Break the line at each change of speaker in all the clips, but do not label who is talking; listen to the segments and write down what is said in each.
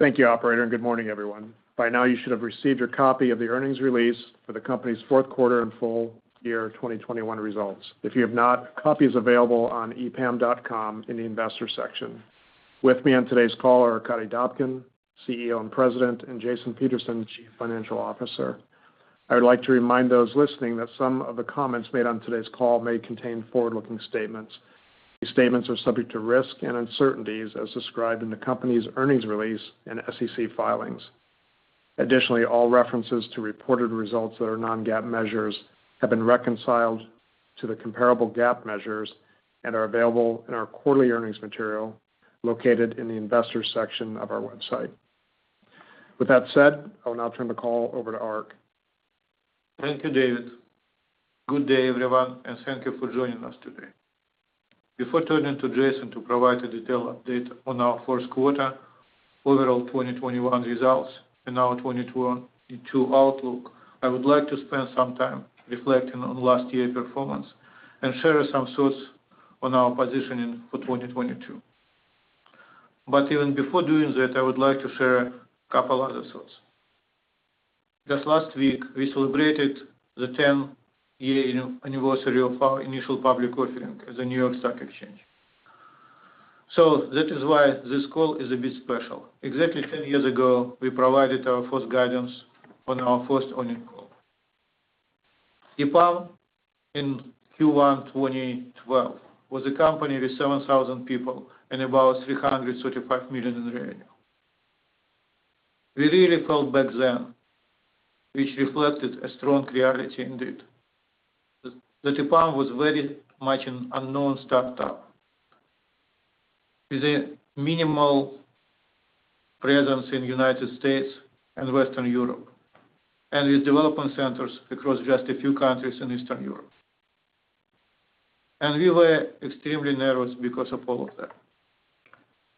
Thank you operator and good morning everyone. By now you should have received your copy of the earnings release for the company's fourth quarter and full year 2021 results. If you have not, a copy is available on epam.com in the investor section. With me on today's call are Arkadiy Dobkin, CEO and President, and Jason Peterson, Chief Financial Officer. I would like to remind those listening that some of the comments made on today's call may contain forward-looking statements. These statements are subject to risks and uncertainties as described in the company's earnings release and SEC filings. Additionally, all references to reported results that are non-GAAP measures have been reconciled to the comparable GAAP measures and are available in our quarterly earnings material located in the investors section of our website. With that said, I will now turn the call over to Ark.
Thank you, David. Good day everyone, and thank you for joining us today. Before turning to Jason to provide a detailed update on our first quarter, overall 2021 results and our 2022 outlook, I would like to spend some time reflecting on last year performance and share some thoughts on our positioning for 2022. Even before doing that, I would like to share a couple other thoughts. Just last week we celebrated the 10-year anniversary of our initial public offering at the New York Stock Exchange. That is why this call is a bit special. Exactly 10 years ago, we provided our first guidance on our first earnings call. EPAM in Q1 2012 was a company with 7,000 people and about $335 million in revenue. We really felt back then, which reflected a strong reality indeed, that EPAM was very much an unknown startup with a minimal presence in United States and Western Europe, and with development centers across just a few countries in Eastern Europe. We were extremely nervous because of all of that.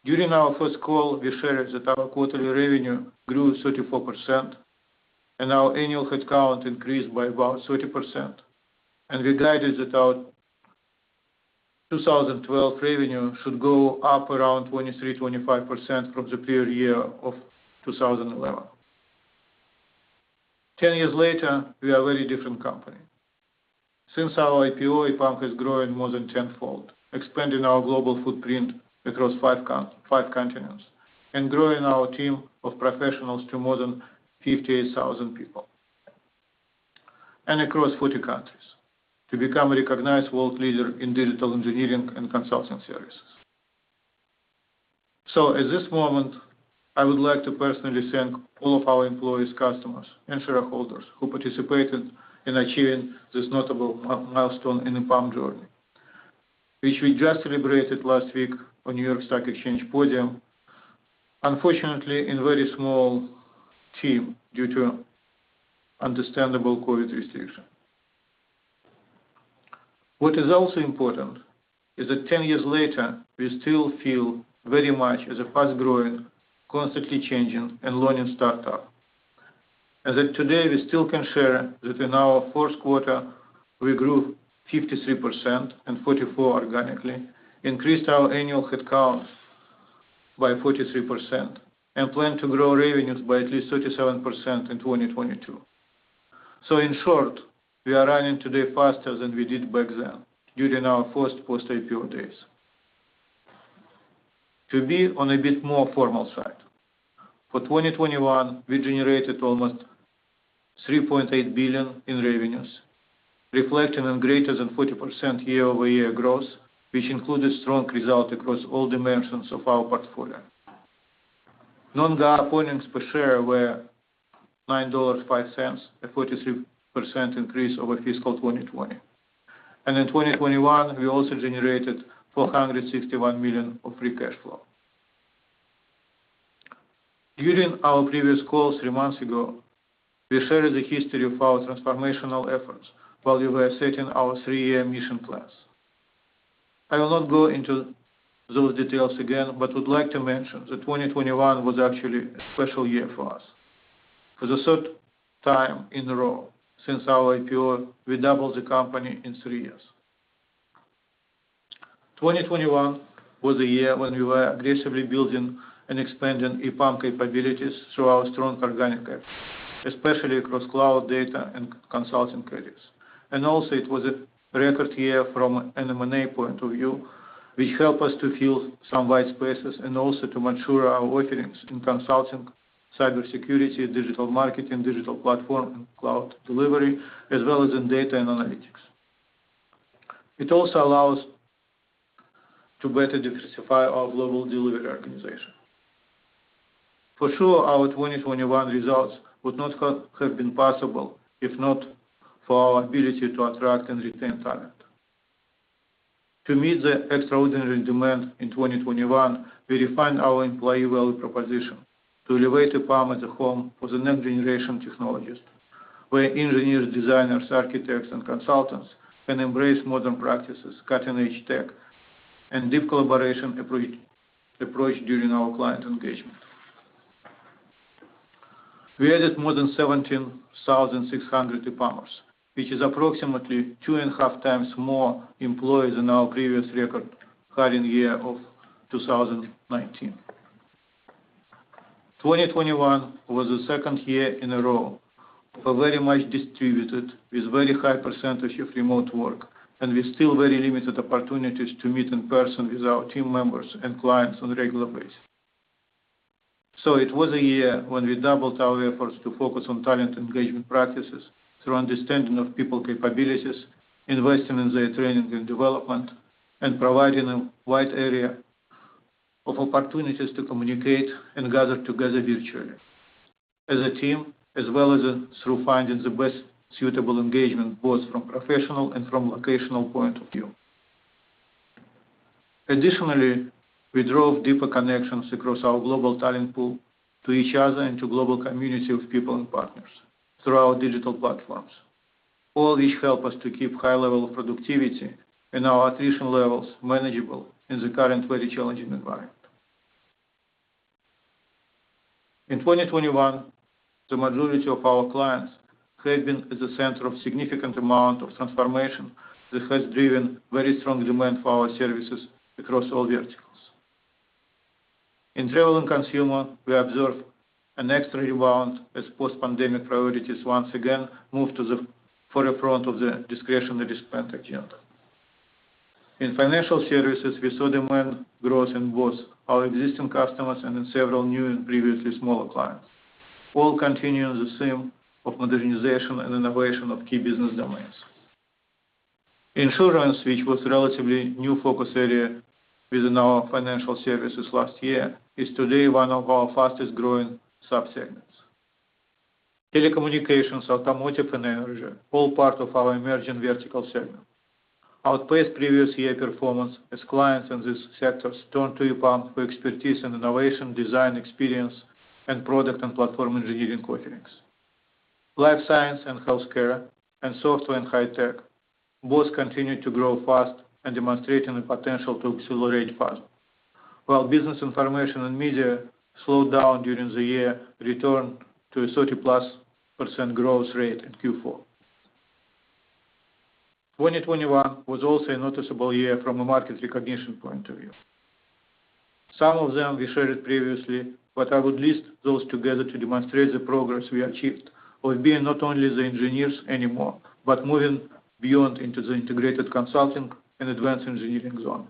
During our first call, we shared that our quarterly revenue grew 34% and our annual headcount increased by about 30%. We guided that our 2012 revenue should go up around 23%-25% from the prior year of 2011. 10 years later, we are a very different company. Since our IPO, EPAM has grown more than tenfold, expanding our global footprint across five continents, and growing our team of professionals to more than 58,000 people across 40 countries to become a recognized world leader in digital engineering and consulting services. At this moment, I would like to personally thank all of our employees, customers and shareholders who participated in achieving this notable milestone in EPAM's journey, which we just celebrated last week on New York Stock Exchange podium. Unfortunately, with a very small team due to understandable COVID restriction. What is also important is that 10 years later, we still feel very much as a fast-growing, constantly changing and learning startup. As of today, we still can share that in our first quarter we grew 53% and 44% organically, increased our annual headcount by 43% and plan to grow revenues by at least 37% in 2022. In short, we are running today faster than we did back then during our first post-IPO days. To be on a bit more formal side, for 2021, we generated almost $3.8 billion in revenues, reflecting on greater than 40% year-over-year growth, which included strong result across all dimensions of our portfolio. Non-GAAP earnings per share were $9.05, a 43% increase over fiscal 2020. In 2021 we also generated $461 million of free cash flow. During our previous call three months ago, we shared the history of our transformational efforts while we were setting our three-year mission plans. I will not go into those details again, but would like to mention that 2021 was actually a special year for us. For the third time in a row since our IPO, we doubled the company in three years. 2021 was a year when we were aggressively building and expanding EPAM capabilities through our strong organic especially across cloud data and consulting credits. Also it was a record year from an M&A point of view, which help us to fill some white spaces and also to mature our offerings in consulting, cybersecurity, digital marketing, digital platform and cloud delivery, as well as in data and analytics. It also allow us to better diversify our global delivery organization. For sure our 2021 results would not have been possible if not for our ability to attract and retain talent. To meet the extraordinary demand in 2021, we refined our employee value proposition to elevate EPAM as a home for the next generation technologists, where engineers, designers, architects and consultants can embrace modern practices, cutting-edge tech and deep collaboration approach during our client engagement. We added more than 17,600 EPAMers, which is approximately 2.5x more employees than our previous record hiring year of 2019. 2021 was the second year in a row of a very much distributed with very high percentage of remote work, and with still very limited opportunities to meet in person with our team members and clients on a regular basis. It was a year when we doubled our efforts to focus on talent engagement practices through understanding of people capabilities, investing in their training and development, and providing a wide array of opportunities to communicate and gather together virtually as a team, as well as through finding the best suitable engagement, both from professional and from locational point of view. Additionally, we drove deeper connections across our global talent pool to each other and to global community of people and partners through our digital platforms. All this help us to keep high level of productivity and our attrition levels manageable in the current very challenging environment. In 2021, the majority of our clients have been at the center of significant amount of transformation that has driven very strong demand for our services across all verticals. In travel and consumer, we observe an extra rebound as post-pandemic priorities once again move to the forefront of the discretionary spend again. In financial services, we saw demand growth in both our existing customers and in several new and previously smaller clients, all continuing the same theme of modernization and innovation of key business domains. Insurance, which was a relatively new focus area within our financial services last year, is today one of our fastest-growing subsegments. Telecommunications, automotive, and energy, all part of our emerging vertical segment, outpaced previous year performance as clients in these sectors turn to EPAM for expertise in innovation, design experience, and product and platform engineering offerings. Life sciences and healthcare and software and high tech both continue to grow fast and are demonstrating the potential to accelerate fast. While business information and media slowed down during the year, it returned to a 30%+ growth rate in Q4. 2021 was also a noticeable year from a market recognition point of view. Some of them we shared previously, but I would list those together to demonstrate the progress we achieved of being not only the engineers anymore, but moving beyond into the integrated consulting and advanced engineering zone.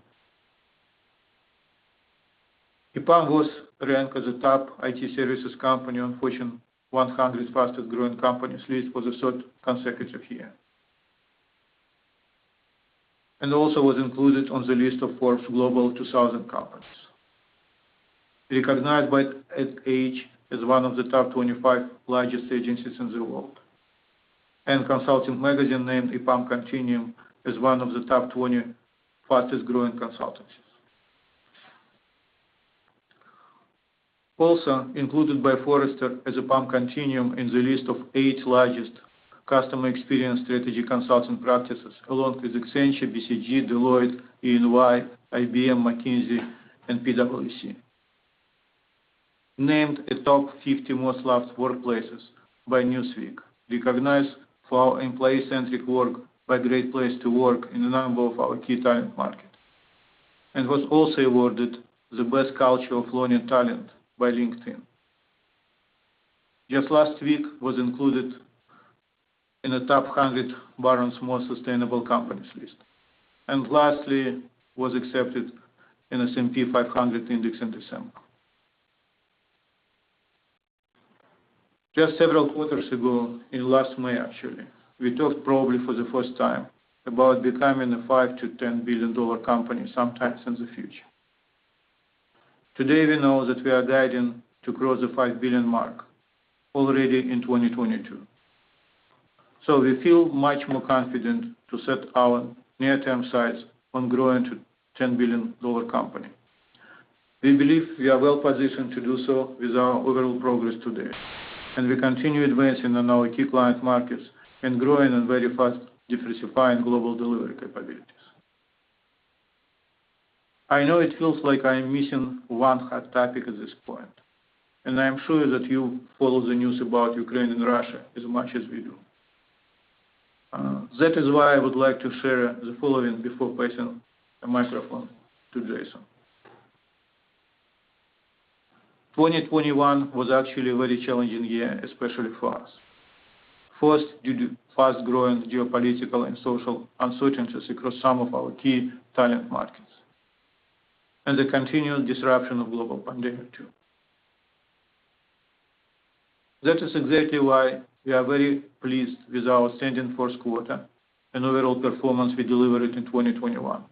EPAM was ranked as a top IT services company on Fortune 100 Fastest-Growing Companies list for the third consecutive year. It was also included on the list of Forbes Global 2000 companies. EPAM was recognized by Ad Age as one of the top 25 largest agencies in the world. Consulting Magazine named EPAM Continuum as one of the top 20 fastest growing consultancies. It was included by Forrester as EPAM Continuum in the list of eight largest customer experience strategy consulting practices, along with Accenture, BCG, Deloitte, EY, IBM, McKinsey, and PwC. Named a top 50 most loved workplaces by Newsweek. Recognized for our employee-centric work by Great Place To Work in a number of our key talent markets. Was also awarded the Best Culture of Learning Talent by LinkedIn. Just last week, was included in the top 100 Barron's Most Sustainable Companies list. Lastly, was accepted in S&P 500 index in December. Just several quarters ago, in last May actually, we talked probably for the first time about becoming a $5 billion-$10 billion company sometime in the future. Today, we know that we are guiding to cross the $5 billion mark already in 2022. We feel much more confident to set our near-term sights on growing to $10 billion company. We believe we are well-positioned to do so with our overall progress today, and we continue advancing in our key client markets and growing in very fast diversifying global delivery capabilities. I know it feels like I'm missing one hot topic at this point, and I am sure that you follow the news about Ukraine and Russia as much as we do. That is why I would like to share the following before passing the microphone to Jason. 2021 was actually a very challenging year, especially for us. First, due to fast-growing geopolitical and social uncertainties across some of our key talent markets, and the continued disruption of global pandemic too. That is exactly why we are very pleased with our strong first quarter and overall performance we delivered in 2021,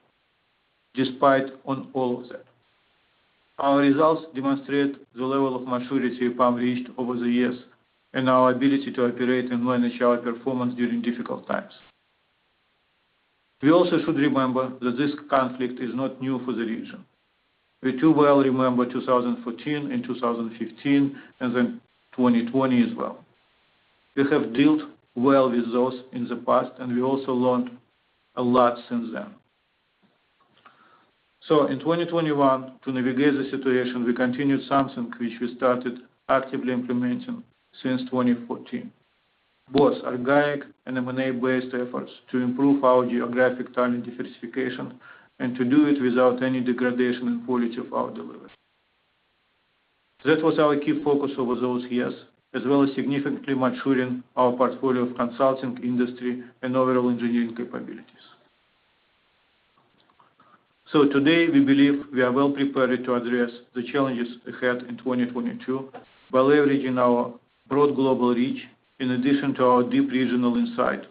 despite all of that. Our results demonstrate the level of maturity EPAM reached over the years, and our ability to operate and manage our performance during difficult times. We also should remember that this conflict is not new for the region. We too well remember 2014 and 2015, and then 2020 as well. We have dealt well with those in the past, and we also learned a lot since then. In 2021, to navigate the situation, we continued something which we started actively implementing since 2014, both organic and M&A-based efforts to improve our geographic talent diversification and to do it without any degradation in quality of our delivery. That was our key focus over those years, as well as significantly maturing our portfolio of consulting industry and overall engineering capabilities. Today, we believe we are well prepared to address the challenges ahead in 2022 by leveraging our broad global reach in addition to our deep regional insight,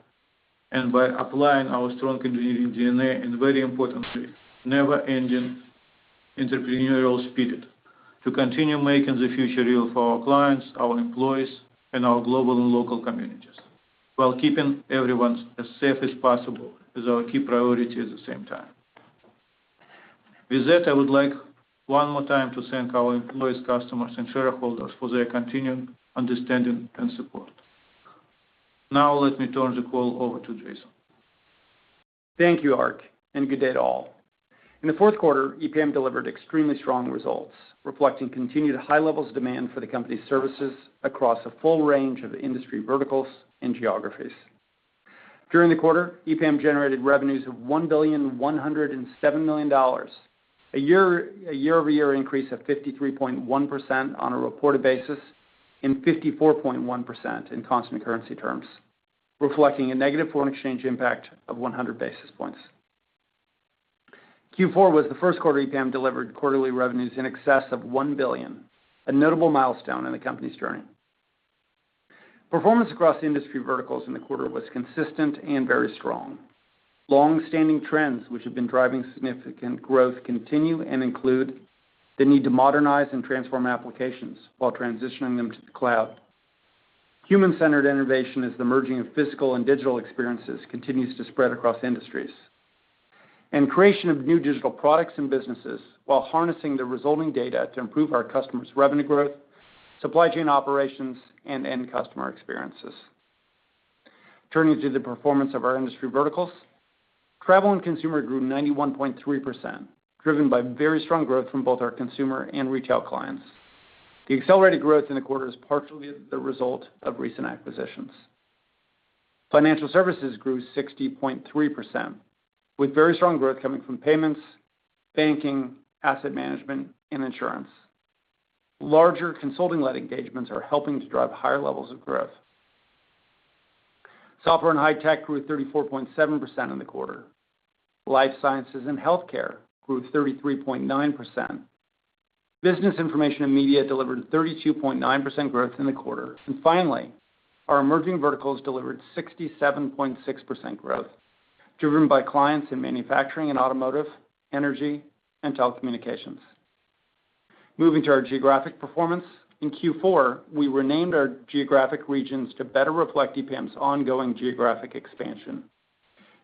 and by applying our strong engineering DNA, and very importantly, never-ending entrepreneurial spirit to continue making the future real for our clients, our employees, and our global and local communities, while keeping everyone as safe as possible is our key priority at the same time. With that, I would like one more time to thank our employees, customers, and shareholders for their continued understanding and support. Now let me turn the call over to Jason.
Thank you, Ark, and good day to all. In the fourth quarter, EPAM delivered extremely strong results, reflecting continued high levels of demand for the company's services across a full range of industry verticals and geographies. During the quarter, EPAM generated revenues of $1.107 billion, a year-over-year increase of 53.1% on a reported basis and 54.1% in constant currency terms, reflecting a negative foreign exchange impact of 100 basis points. Q4 was the first quarter EPAM delivered quarterly revenues in excess of $1 billion, a notable milestone in the company's journey. Performance across industry verticals in the quarter was consistent and very strong. Long-standing trends which have been driving significant growth continue and include the need to modernize and transform applications while transitioning them to the cloud. Human-centered innovation as the merging of physical and digital experiences continues to spread across industries. Creation of new digital products and businesses while harnessing the resulting data to improve our customers' revenue growth, supply chain operations, and end customer experiences. Turning to the performance of our industry verticals. Travel and consumer grew 91.3%, driven by very strong growth from both our consumer and retail clients. The accelerated growth in the quarter is partially the result of recent acquisitions. Financial services grew 60.3%, with very strong growth coming from payments, banking, asset management, and insurance. Larger consulting-led engagements are helping to drive higher levels of growth. Software and high tech grew 34.7% in the quarter. Life sciences and healthcare grew 33.9%. Business information and media delivered 32.9% growth in the quarter. Finally, our emerging verticals delivered 67.6% growth, driven by clients in manufacturing and automotive, energy, and telecommunications. Moving to our geographic performance. In Q4, we renamed our geographic regions to better reflect EPAM's ongoing geographic expansion.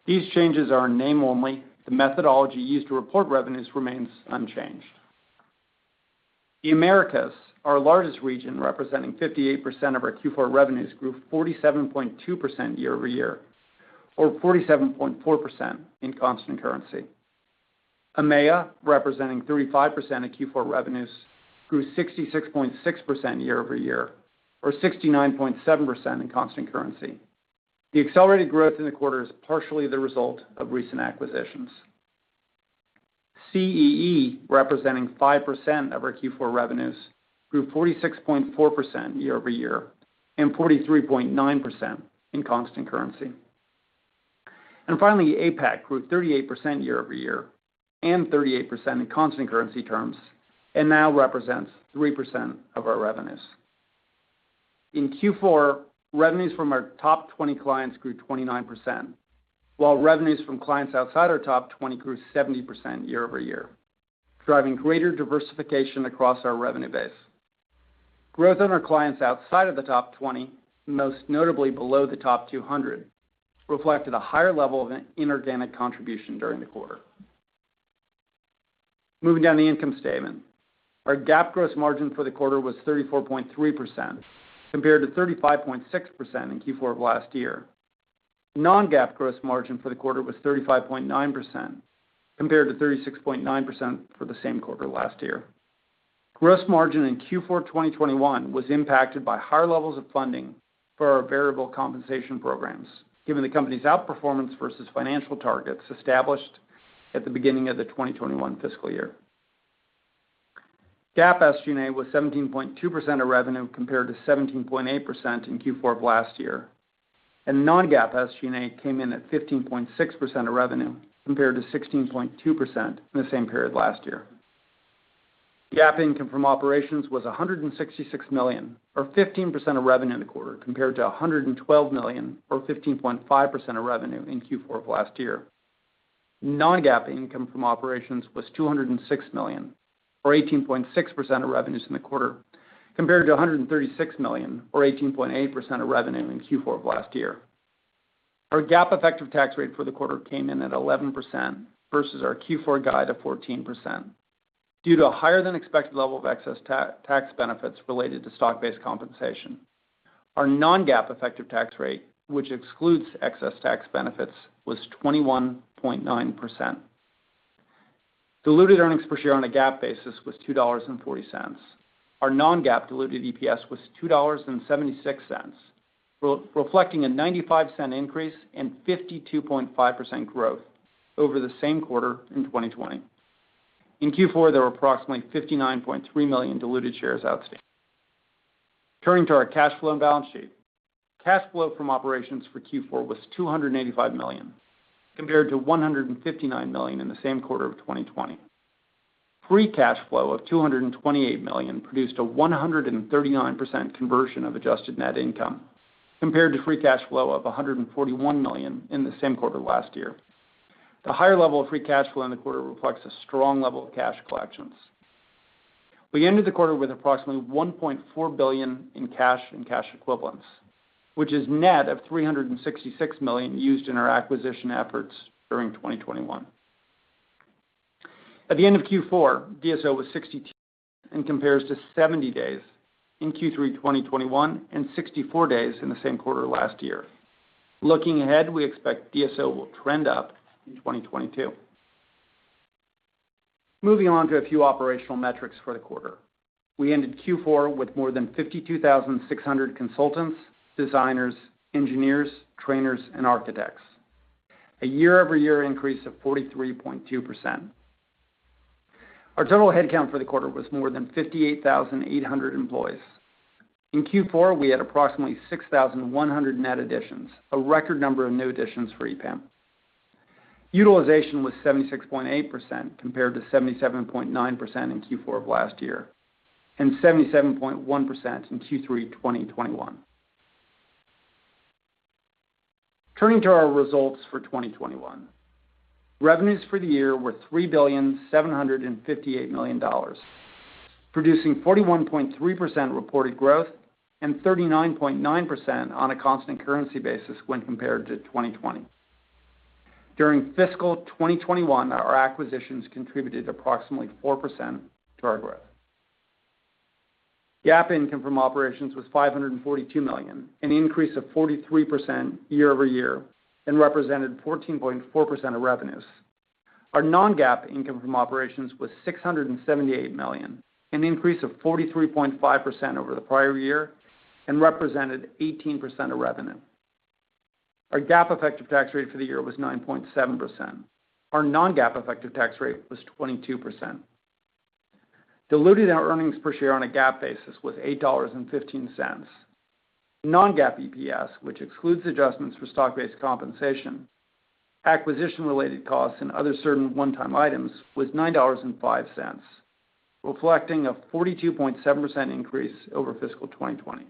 These changes are in name only. The methodology used to report revenues remains unchanged. The Americas, our largest region, representing 58% of our Q4 revenues, grew 47.2% year-over-year or 47.4% in constant currency. EMEA, representing 35% of Q4 revenues, grew 66.6% year-over-year or 69.7% in constant currency. The accelerated growth in the quarter is partially the result of recent acquisitions. CEE, representing 5% of our Q4 revenues, grew 46.4% year-over-year and 43.9% in constant currency. Finally, APAC grew 38% year-over-year and 38% in constant currency terms and now represents 3% of our revenues. In Q4, revenues from our top 20 clients grew 29%, while revenues from clients outside our top 20 grew 70% year-over-year, driving greater diversification across our revenue base. Growth in our clients outside of the top 20, most notably below the top 200, reflected a higher level of inorganic contribution during the quarter. Moving down the income statement. Our GAAP gross margin for the quarter was 34.3% compared to 35.6% in Q4 of last year. non-GAAP gross margin for the quarter was 35.9% compared to 36.9% for the same quarter last year. Gross margin in Q4 2021 was impacted by higher levels of funding for our variable compensation programs, given the company's outperformance versus financial targets established at the beginning of the 2021 fiscal year. GAAP SG&A was 17.2% of revenue compared to 17.8% in Q4 of last year. non-GAAP SG&A came in at 15.6% of revenue compared to 16.2% in the same period last year. GAAP income from operations was $166 million or 15% of revenue in the quarter compared to $112 million or 15.5% of revenue in Q4 of last year. Non-GAAP income from operations was $206 million or 18.6% of revenues in the quarter compared to $136 million or 18.8% of revenue in Q4 of last year. Our GAAP effective tax rate for the quarter came in at 11% versus our Q4 guide of 14% due to a higher than expected level of excess tax benefits related to stock-based compensation. Our non-GAAP effective tax rate, which excludes excess tax benefits, was 21.9%. Diluted earnings per share on a GAAP basis was $2.40. Our non-GAAP diluted EPS was $2.76, reflecting a $0.95 increase and 52.5% growth over the same quarter in 2020. In Q4, there were approximately 59.3 million diluted shares outstanding. Turning to our cash flow and balance sheet. Cash flow from operations for Q4 was $285 million, compared to $159 million in the same quarter of 2020. Free cash flow of $228 million produced a 139% conversion of adjusted net income compared to free cash flow of $141 million in the same quarter last year. The higher level of free cash flow in the quarter reflects a strong level of cash collections. We ended the quarter with approximately $1.4 billion in cash and cash equivalents, which is net of $366 million used in our acquisition efforts during 2021. At the end of Q4, DSO was 62 and compares to 70 days in Q3, 2021 and 64 days in the same quarter last year. Looking ahead, we expect DSO will trend up in 2022. Moving on to a few operational metrics for the quarter. We ended Q4 with more than 52,600 consultants, designers, engineers, trainers, and architects. A year-over-year increase of 43.2%. Our total headcount for the quarter was more than 58,800 employees. In Q4, we had approximately 6,100 net additions, a record number of new additions for EPAM. Utilization was 76.8% compared to 77.9% in Q4 of last year, and 77.1% in Q3 2021. Turning to our results for 2021. Revenues for the year were $3.758 billion, producing 41.3% reported growth and 39.9% on a constant currency basis when compared to 2020. During fiscal 2021, our acquisitions contributed approximately 4% to our growth. GAAP income from operations was $542 million, an increase of 43% year-over-year and represented 14.4% of revenues. Our non-GAAP income from operations was $678 million, an increase of 43.5% over the prior year and represented 18% of revenue. Our GAAP effective tax rate for the year was 9.7%. Our non-GAAP effective tax rate was 22%. Diluted earnings per share on a GAAP basis was $8.15. Non-GAAP EPS, which excludes adjustments for stock-based compensation, acquisition related costs and other certain one-time items was $9.05, reflecting a 42.7% increase over fiscal 2020.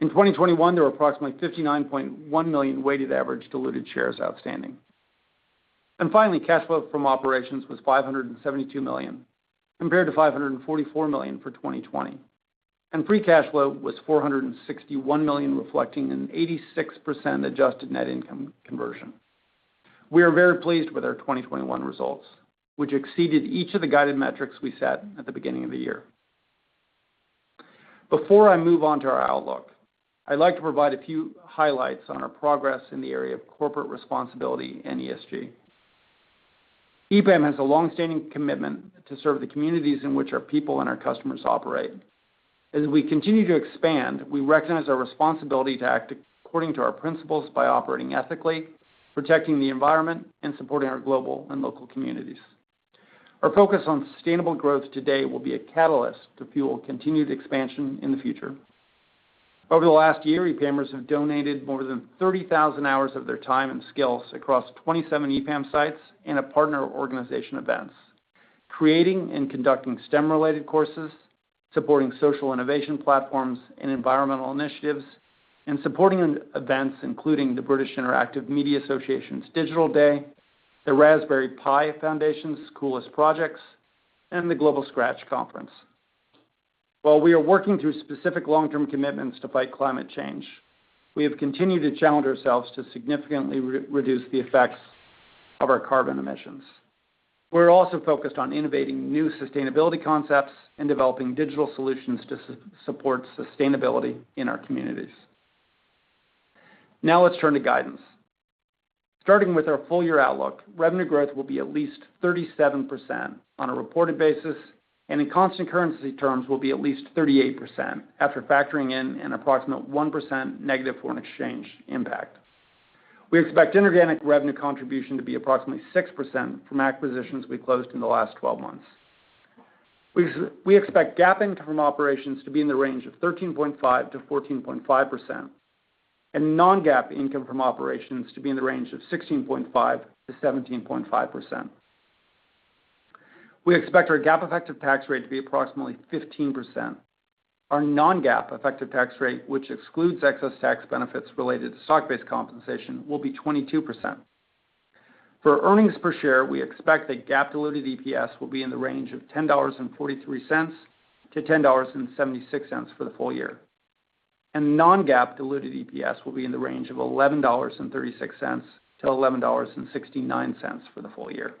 In 2021, there were approximately 59.1 million weighted average diluted shares outstanding. Finally, cash flow from operations was $572 million, compared to $544 million for 2020. Free cash flow was $461 million, reflecting an 86% adjusted net income conversion. We are very pleased with our 2021 results, which exceeded each of the guided metrics we set at the beginning of the year. Before I move on to our outlook, I'd like to provide a few highlights on our progress in the area of corporate responsibility and ESG. EPAM has a long-standing commitment to serve the communities in which our people and our customers operate. As we continue to expand, we recognize our responsibility to act according to our principles by operating ethically, protecting the environment, and supporting our global and local communities. Our focus on sustainable growth today will be a catalyst to fuel continued expansion in the future. Over the last year, EPAMers have donated more than 30,000 hours of their time and skills across 27 EPAM sites in a partner organization events, creating and conducting STEM-related courses, supporting social innovation platforms and environmental initiatives, and supporting events including the British Interactive Media Association's Digital Day, the Raspberry Pi Foundation's Coolest Projects, and the Global Scratch Conference. While we are working through specific long-term commitments to fight climate change, we have continued to challenge ourselves to significantly reduce the effects of our carbon emissions. We're also focused on innovating new sustainability concepts and developing digital solutions to support sustainability in our communities. Now, let's turn to guidance. Starting with our full-year outlook, revenue growth will be at least 37% on a reported basis, and in constant currency terms will be at least 38% after factoring in an approximate 1% negative foreign exchange impact. We expect inorganic revenue contribution to be approximately 6% from acquisitions we closed in the last 12 months. We expect GAAP income from operations to be in the range of 13.5%-14.5%, and non-GAAP income from operations to be in the range of 16.5%-17.5%. We expect our GAAP effective tax rate to be approximately 15%. Our non-GAAP effective tax rate, which excludes excess tax benefits related to stock-based compensation, will be 22%. For earnings per share, we expect that GAAP diluted EPS will be in the range of $10.43-$10.76 for the full year. Non-GAAP diluted EPS will be in the range of $11.36-$11.69 for the full year.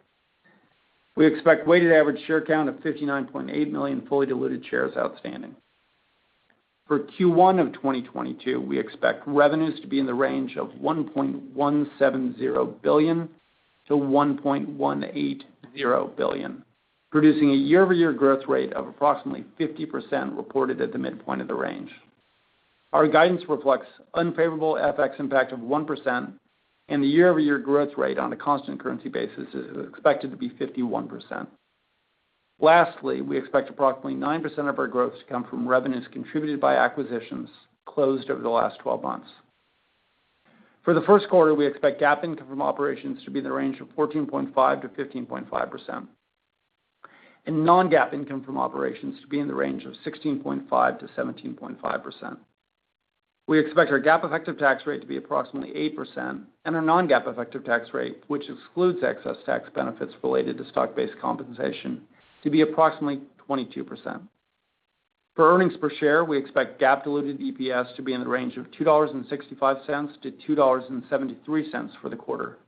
We expect weighted average share count of 59.8 million fully diluted shares outstanding. For Q1 of 2022, we expect revenues to be in the range of $1.170 billion-$1.180 billion, producing a year-over-year growth rate of approximately 50% reported at the midpoint of the range. Our guidance reflects unfavorable FX impact of 1% and the year-over-year growth rate on a constant currency basis is expected to be 51%. Lastly, we expect approximately 9% of our growth to come from revenues contributed by acquisitions closed over the last 12 months. For the first quarter, we expect GAAP income from operations to be in the range of 14.5%-15.5%, and non-GAAP income from operations to be in the range of 16.5%-17.5%. We expect our GAAP effective tax rate to be approximately 8% and our non-GAAP effective tax rate, which excludes excess tax benefits related to stock-based compensation, to be approximately 22%. For earnings per share, we expect GAAP diluted EPS to be in the range of $2.65-$2.73 for the quarter,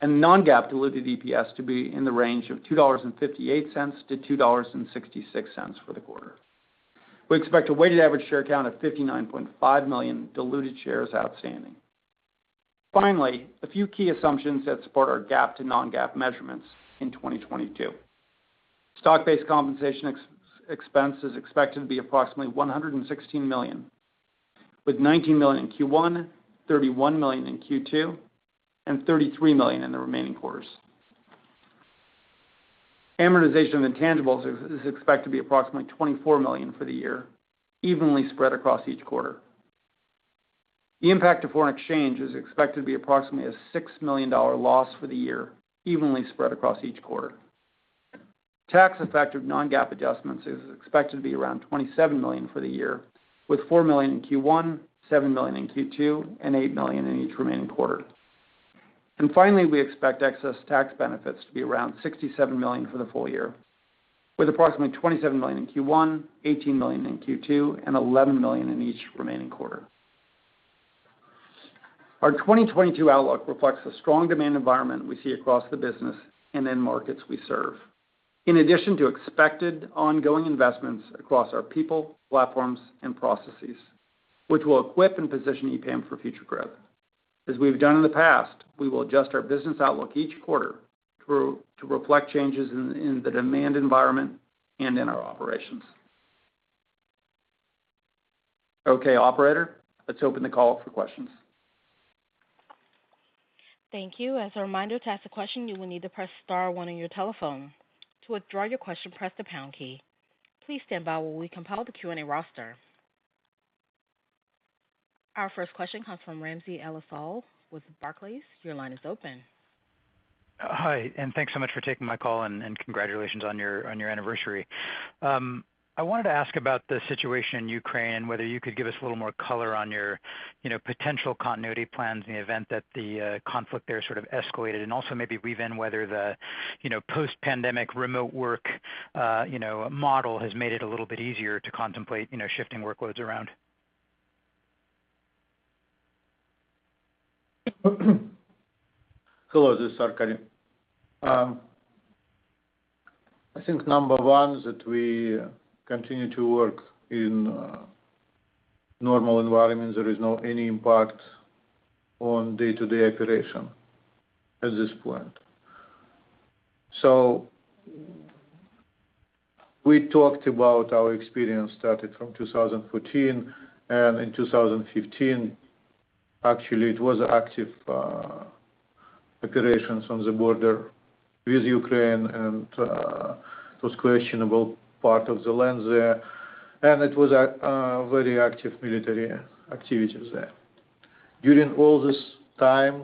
and non-GAAP diluted EPS to be in the range of $2.58-$2.66 for the quarter. We expect a weighted average share count of 59.5 million diluted shares outstanding. Finally, a few key assumptions that support our GAAP to non-GAAP measurements in 2022. Stock-based compensation expense is expected to be approximately $116 million, with $19 million in Q1, $31 million in Q2, and $33 million in the remaining quarters. Amortization of intangibles is expected to be approximately $24 million for the year, evenly spread across each quarter. The impact of foreign exchange is expected to be approximately a $6 million loss for the year, evenly spread across each quarter. Tax effective non-GAAP adjustments is expected to be around $27 million for the year, with $4 million in Q1, $7 million in Q2, and $8 million in each remaining quarter. Finally, we expect excess tax benefits to be around $67 million for the full year, with approximately $27 million in Q1, $18 million in Q2, and $11 million in each remaining quarter. Our 2022 outlook reflects the strong demand environment we see across the business and in markets we serve. In addition to expected ongoing investments across our people, platforms, and processes, which will equip and position EPAM for future growth. As we've done in the past, we will adjust our business outlook each quarter through to reflect changes in the demand environment and in our operations. Okay, operator, let's open the call up for questions.
Thank you. As a reminder, to ask a question, you will need to press star one on your telephone. To withdraw your question, press the pound key. Please stand by while we compile the Q&A roster. Our first question comes from Ramsey El-Assal with Barclays. Your line is open.
Hi, thanks so much for taking my call, and congratulations on your anniversary. I wanted to ask about the situation in Ukraine, whether you could give us a little more color on your, you know, potential continuity plans in the event that the conflict there sort of escalated, and also maybe weave in whether the, you know, post-pandemic remote work, you know, model has made it a little bit easier to contemplate, you know, shifting workloads around.
Hello, this is Arkadiy. I think number one is that we continue to work in a normal environment. There is no any impact on day-to-day operation at this point. We talked about our experience started from 2014, and in 2015, actually it was active operations on the border with Ukraine and those questionable part of the lands there, and it was a very active military activities there. During all this time,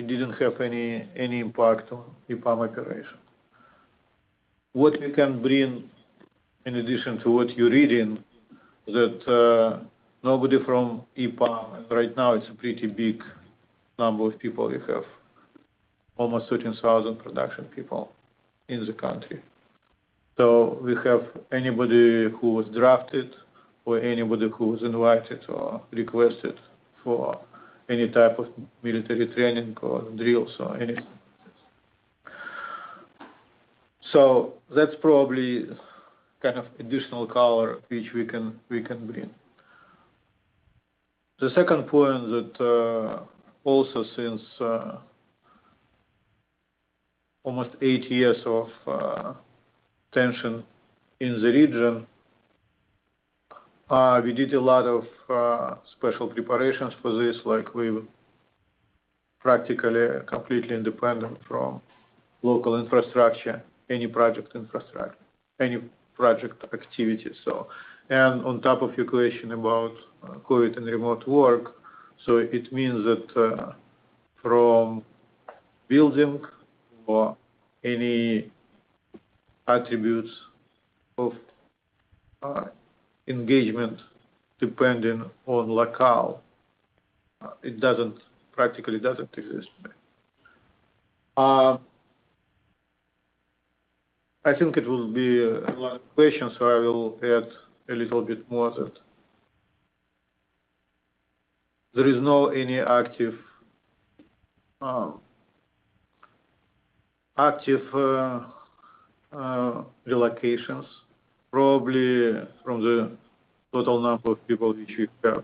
it didn't have any impact on EPAM operation. What we can bring in addition to what you're reading, that nobody from EPAM, and right now it's a pretty big number of people, we have almost 13,000 production people in the country. We haven't had anybody who was drafted or anybody who was invited or requested for any type of military training or drills or anything. That's probably kind of additional color which we can bring. The second point that also since almost eight years of tension in the region we did a lot of special preparations for this. Like we were practically completely independent from local infrastructure, any project infrastructure, any project activities, so. On top of your question about COVID and remote work, so it means that from building or any attributes of engagement depending on locale, it practically doesn't exist. I think it will be a lot of questions, so I will add a little bit more to that. There is no any active relocations. Probably from the total number of people which we have,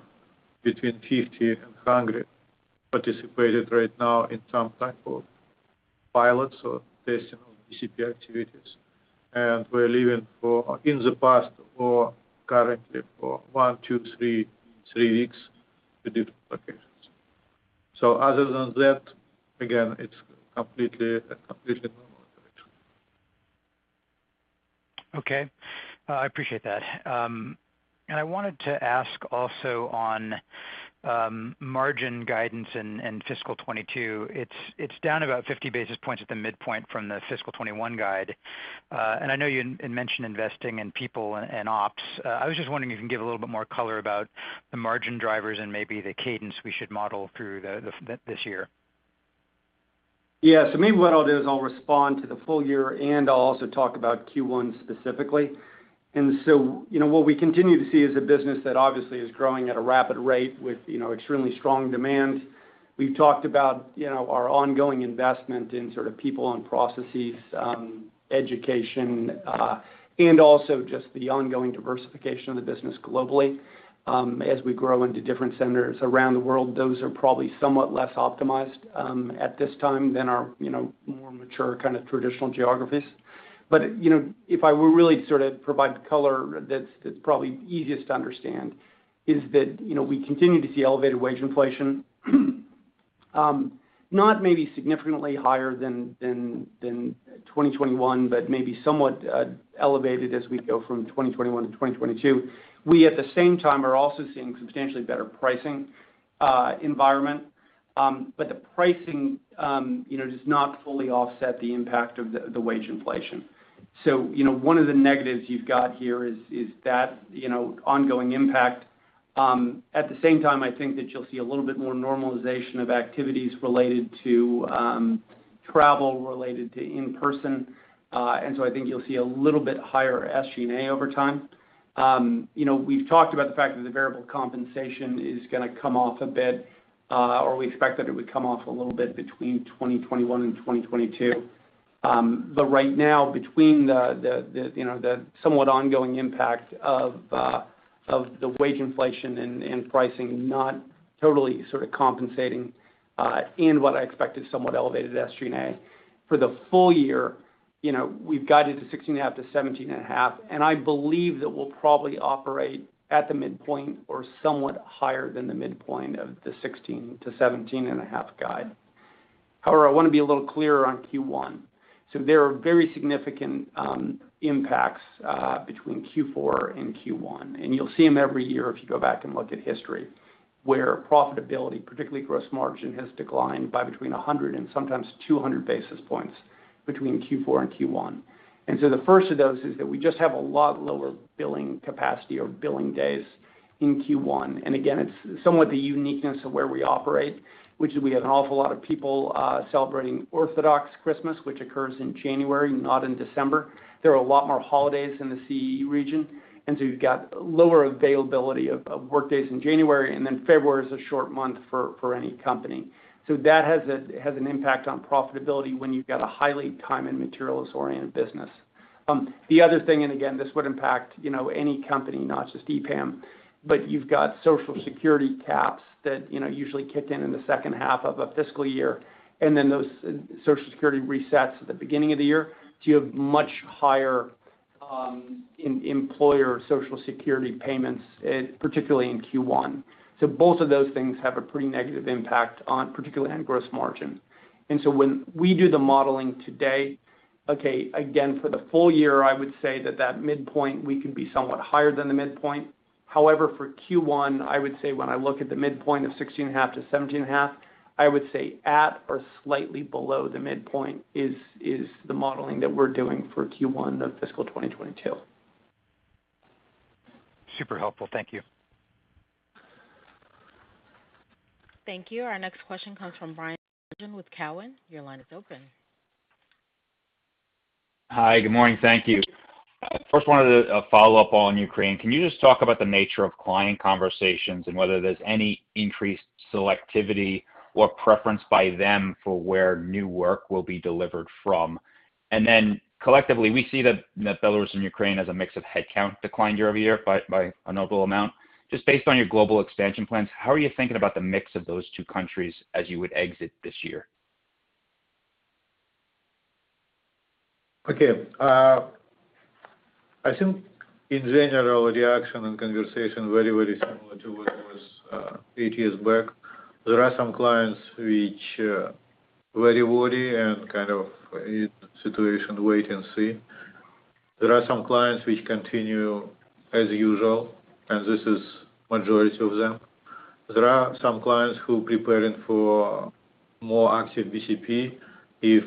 between 50 and 100 participated right now in some type of pilots or testing BCP activities. We're leaving for in the past or currently for one, two, three weeks to different locations. Other than that, again, it's completely normal situation.
Okay. I appreciate that. I wanted to ask also on margin guidance in fiscal 2022. It's down about 50 basis points at the midpoint from the fiscal 2021 guide. I know you mentioned investing in people and ops. I was just wondering if you can give a little bit more color about the margin drivers and maybe the cadence we should model through this year.
Yeah. Maybe what I'll do is I'll respond to the full year, and I'll also talk about Q1 specifically. You know, what we continue to see is a business that obviously is growing at a rapid rate with, you know, extremely strong demand. We've talked about, you know, our ongoing investment in sort of people and processes, education, and also just the ongoing diversification of the business globally. As we grow into different centers around the world, those are probably somewhat less optimized, at this time than our, you know, more mature kind of traditional geographies. You know, if I were really to provide the color that's probably easiest to understand is that, you know, we continue to see elevated wage inflation, not maybe significantly higher than 2021, but maybe somewhat elevated as we go from 2021 to 2022. We, at the same time, are also seeing substantially better pricing environment. But the pricing, you know, does not fully offset the impact of the wage inflation. So, you know, one of the negatives you've got here is that, you know, ongoing impact. At the same time, I think that you'll see a little bit more normalization of activities related to travel related to in-person. And so I think you'll see a little bit higher SG&A over time. You know, we've talked about the fact that the variable compensation is gonna come off a bit, or we expect that it would come off a little bit between 2021 and 2022. Right now between the you know, the somewhat ongoing impact of the wage inflation and pricing not totally sort of compensating, and what I expect is somewhat elevated SG&A. For the full year, you know, we've guided to 16.5%-17.5%, and I believe that we'll probably operate at the midpoint or somewhat higher than the midpoint of the 16%-17.5% guide. However, I wanna be a little clearer on Q1. There are very significant impacts between Q4 and Q1, and you'll see them every year if you go back and look at history, where profitability, particularly gross margin, has declined by between 100 and sometimes 200 basis points between Q4 and Q1. The first of those is that we just have a lot lower billing capacity or billing days in Q1. It's somewhat the uniqueness of where we operate, which is we have an awful lot of people celebrating Orthodox Christmas, which occurs in January, not in December. There are a lot more holidays in the CE region, and so you've got lower availability of work days in January, and then February is a short month for any company. That has an impact on profitability when you've got a highly time and materials-oriented business. The other thing, and again, this would impact, you know, any company, not just EPAM, but you've got Social Security caps that, you know, usually kick in in the second half of a fiscal year. Then those Social Security resets at the beginning of the year. You have much higher employer Social Security payments, particularly in Q1. Both of those things have a pretty negative impact on particularly on gross margin. When we do the modeling today, okay, again, for the full year, I would say that midpoint we could be somewhat higher than the midpoint. However, for Q1, I would say when I look at the midpoint of 16.5%-17.5%, I would say at or slightly below the midpoint is the modeling that we're doing for Q1 of fiscal 2022.
Super helpful. Thank you.
Thank you. Our next question comes from Bryan Bergin with Cowen. Your line is open.
Hi. Good morning. Thank you. First, I wanted a follow-up on Ukraine. Can you just talk about the nature of client conversations and whether there's any increased selectivity or preference by them for where new work will be delivered from? Collectively, we see that Belarus and Ukraine as a mix of headcount declined year over year by a notable amount. Just based on your global expansion plans, how are you thinking about the mix of those two countries as you would exit this year?
Okay. I think in general, the action and conversation very similar to what it was eight years back. There are some clients which are very worried and kind of in a wait-and-see situation. There are some clients which continue as usual, and this is the majority of them. There are some clients who are preparing for more active BCP if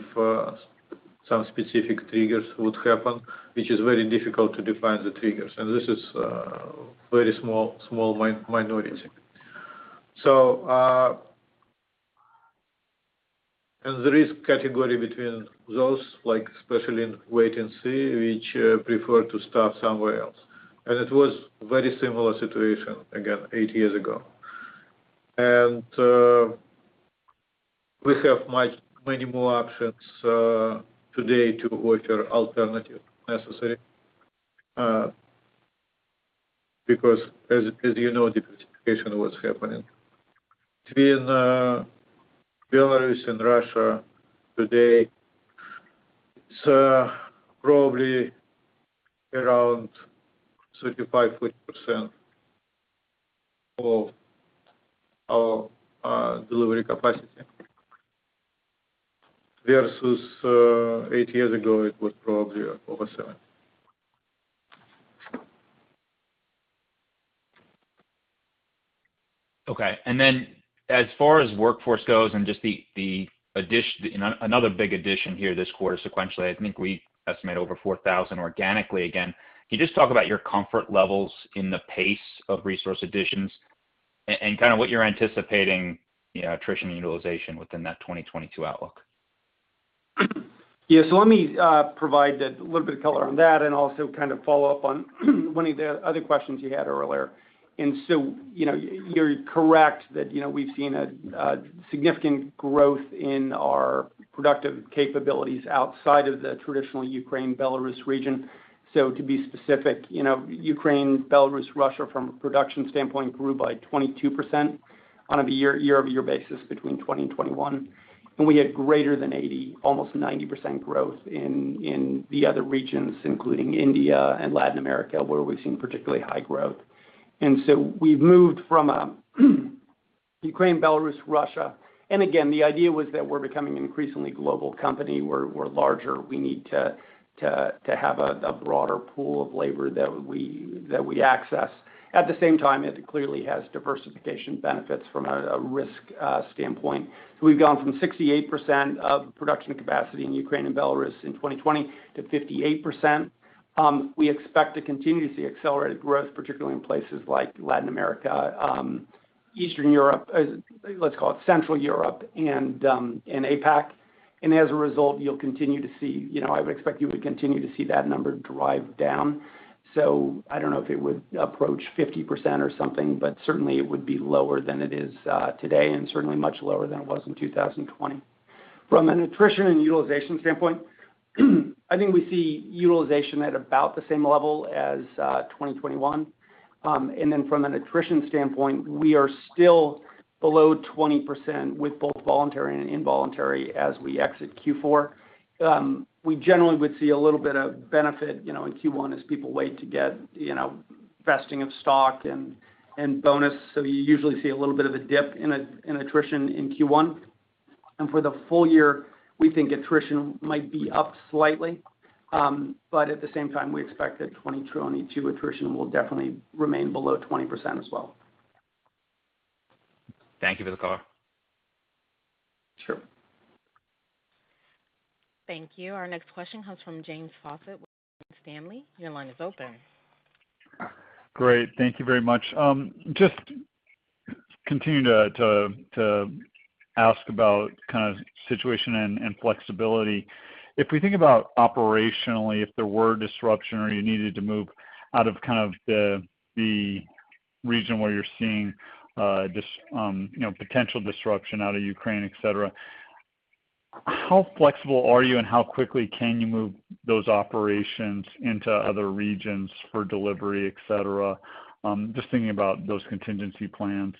some specific triggers would happen, which is very difficult to define the triggers, and this is a very small minority. There is a category between those, like especially in wait-and-see, which prefer to start somewhere else. It was a very similar situation again eight years ago. We have many more options today to have alternatives necessarily, because as you know, diversification was happening. Between Belarus and Russia today, it's probably around 35%-40% of our delivery capacity. Versus eight years ago, it was probably over 70%.
Okay. As far as workforce goes, and just another big addition here this quarter sequentially, I think we estimate over 4,000 organically again. Can you just talk about your comfort levels in the pace of resource additions and kinda what you're anticipating, you know, attrition utilization within that 2022 outlook?
Yeah. Let me provide a little bit of color on that and also kind of follow up on one of the other questions you had earlier. You know, you're correct that, you know, we've seen a significant growth in our productive capabilities outside of the traditional Ukraine-Belarus region. To be specific, you know, Ukraine, Belarus, Russia from a production standpoint grew by 22% on a year-over-year basis between 2020 and 2021. We had greater than 80, almost 90% growth in the other regions, including India and Latin America, where we've seen particularly high growth. We've moved from Ukraine, Belarus, Russia. Again, the idea was that we're becoming an increasingly global company. We're larger. We need to have a broader pool of labor that we access. At the same time, it clearly has diversification benefits from a risk standpoint. We've gone from 68% of production capacity in Ukraine and Belarus in 2020 to 58%. We expect to continue to see accelerated growth, particularly in places like Latin America, Eastern Europe, let's call it Central Europe and APAC. As a result, you know, I would expect you would continue to see that number drive down. I don't know if it would approach 50% or something, but certainly it would be lower than it is today and certainly much lower than it was in 2020. From an attrition and utilization standpoint, I think we see utilization at about the same level as 2021. From an attrition standpoint, we are still below 20% with both voluntary and involuntary as we exit Q4. We generally would see a little bit of benefit, you know, in Q1 as people wait to get, you know, vesting of stock and bonus. You usually see a little bit of a dip in attrition in Q1. For the full year, we think attrition might be up slightly. At the same time, we expect that 2022 attrition will definitely remain below 20% as well.
Thank you for the color.
Sure.
Thank you. Our next question comes from James Faucette with Morgan Stanley. Your line is open.
Great. Thank you very much. Just continue to ask about kind of situation and flexibility. If we think about operationally, if there were disruption or you needed to move out of kind of the region where you're seeing potential disruption out of Ukraine, et cetera, how flexible are you and how quickly can you move those operations into other regions for delivery, et cetera? Just thinking about those contingency plans.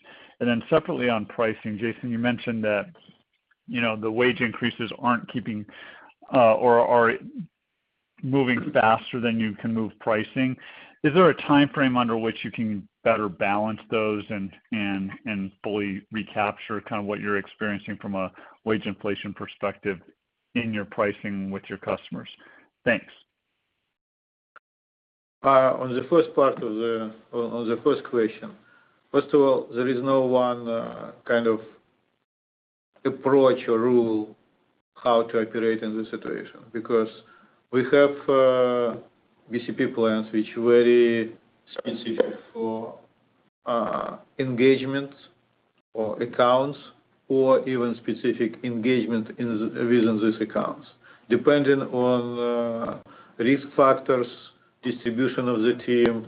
Separately on pricing, Jason, you mentioned that the wage increases aren't keeping or are moving faster than you can move pricing. Is there a timeframe under which you can better balance those and fully recapture kind of what you're experiencing from a wage inflation perspective in your pricing with your customers? Thanks.
On the first question, first of all, there is no one kind of approach or rule how to operate in this situation. Because we have BCP plans which are very specific for engagements or accounts or even specific engagement within these accounts, depending on risk factors, distribution of the team,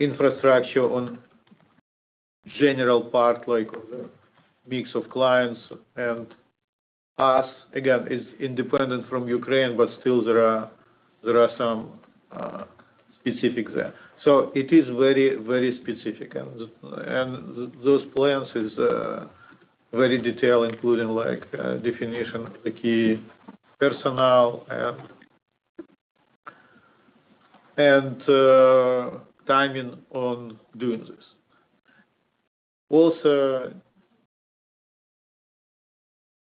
infrastructure on general part, like the mix of clients and us, again, is independent from Ukraine, but still there are some specifics there. It is very, very specific. Those plans is very detailed, including like definition of the key personnel and timing on doing this. Also,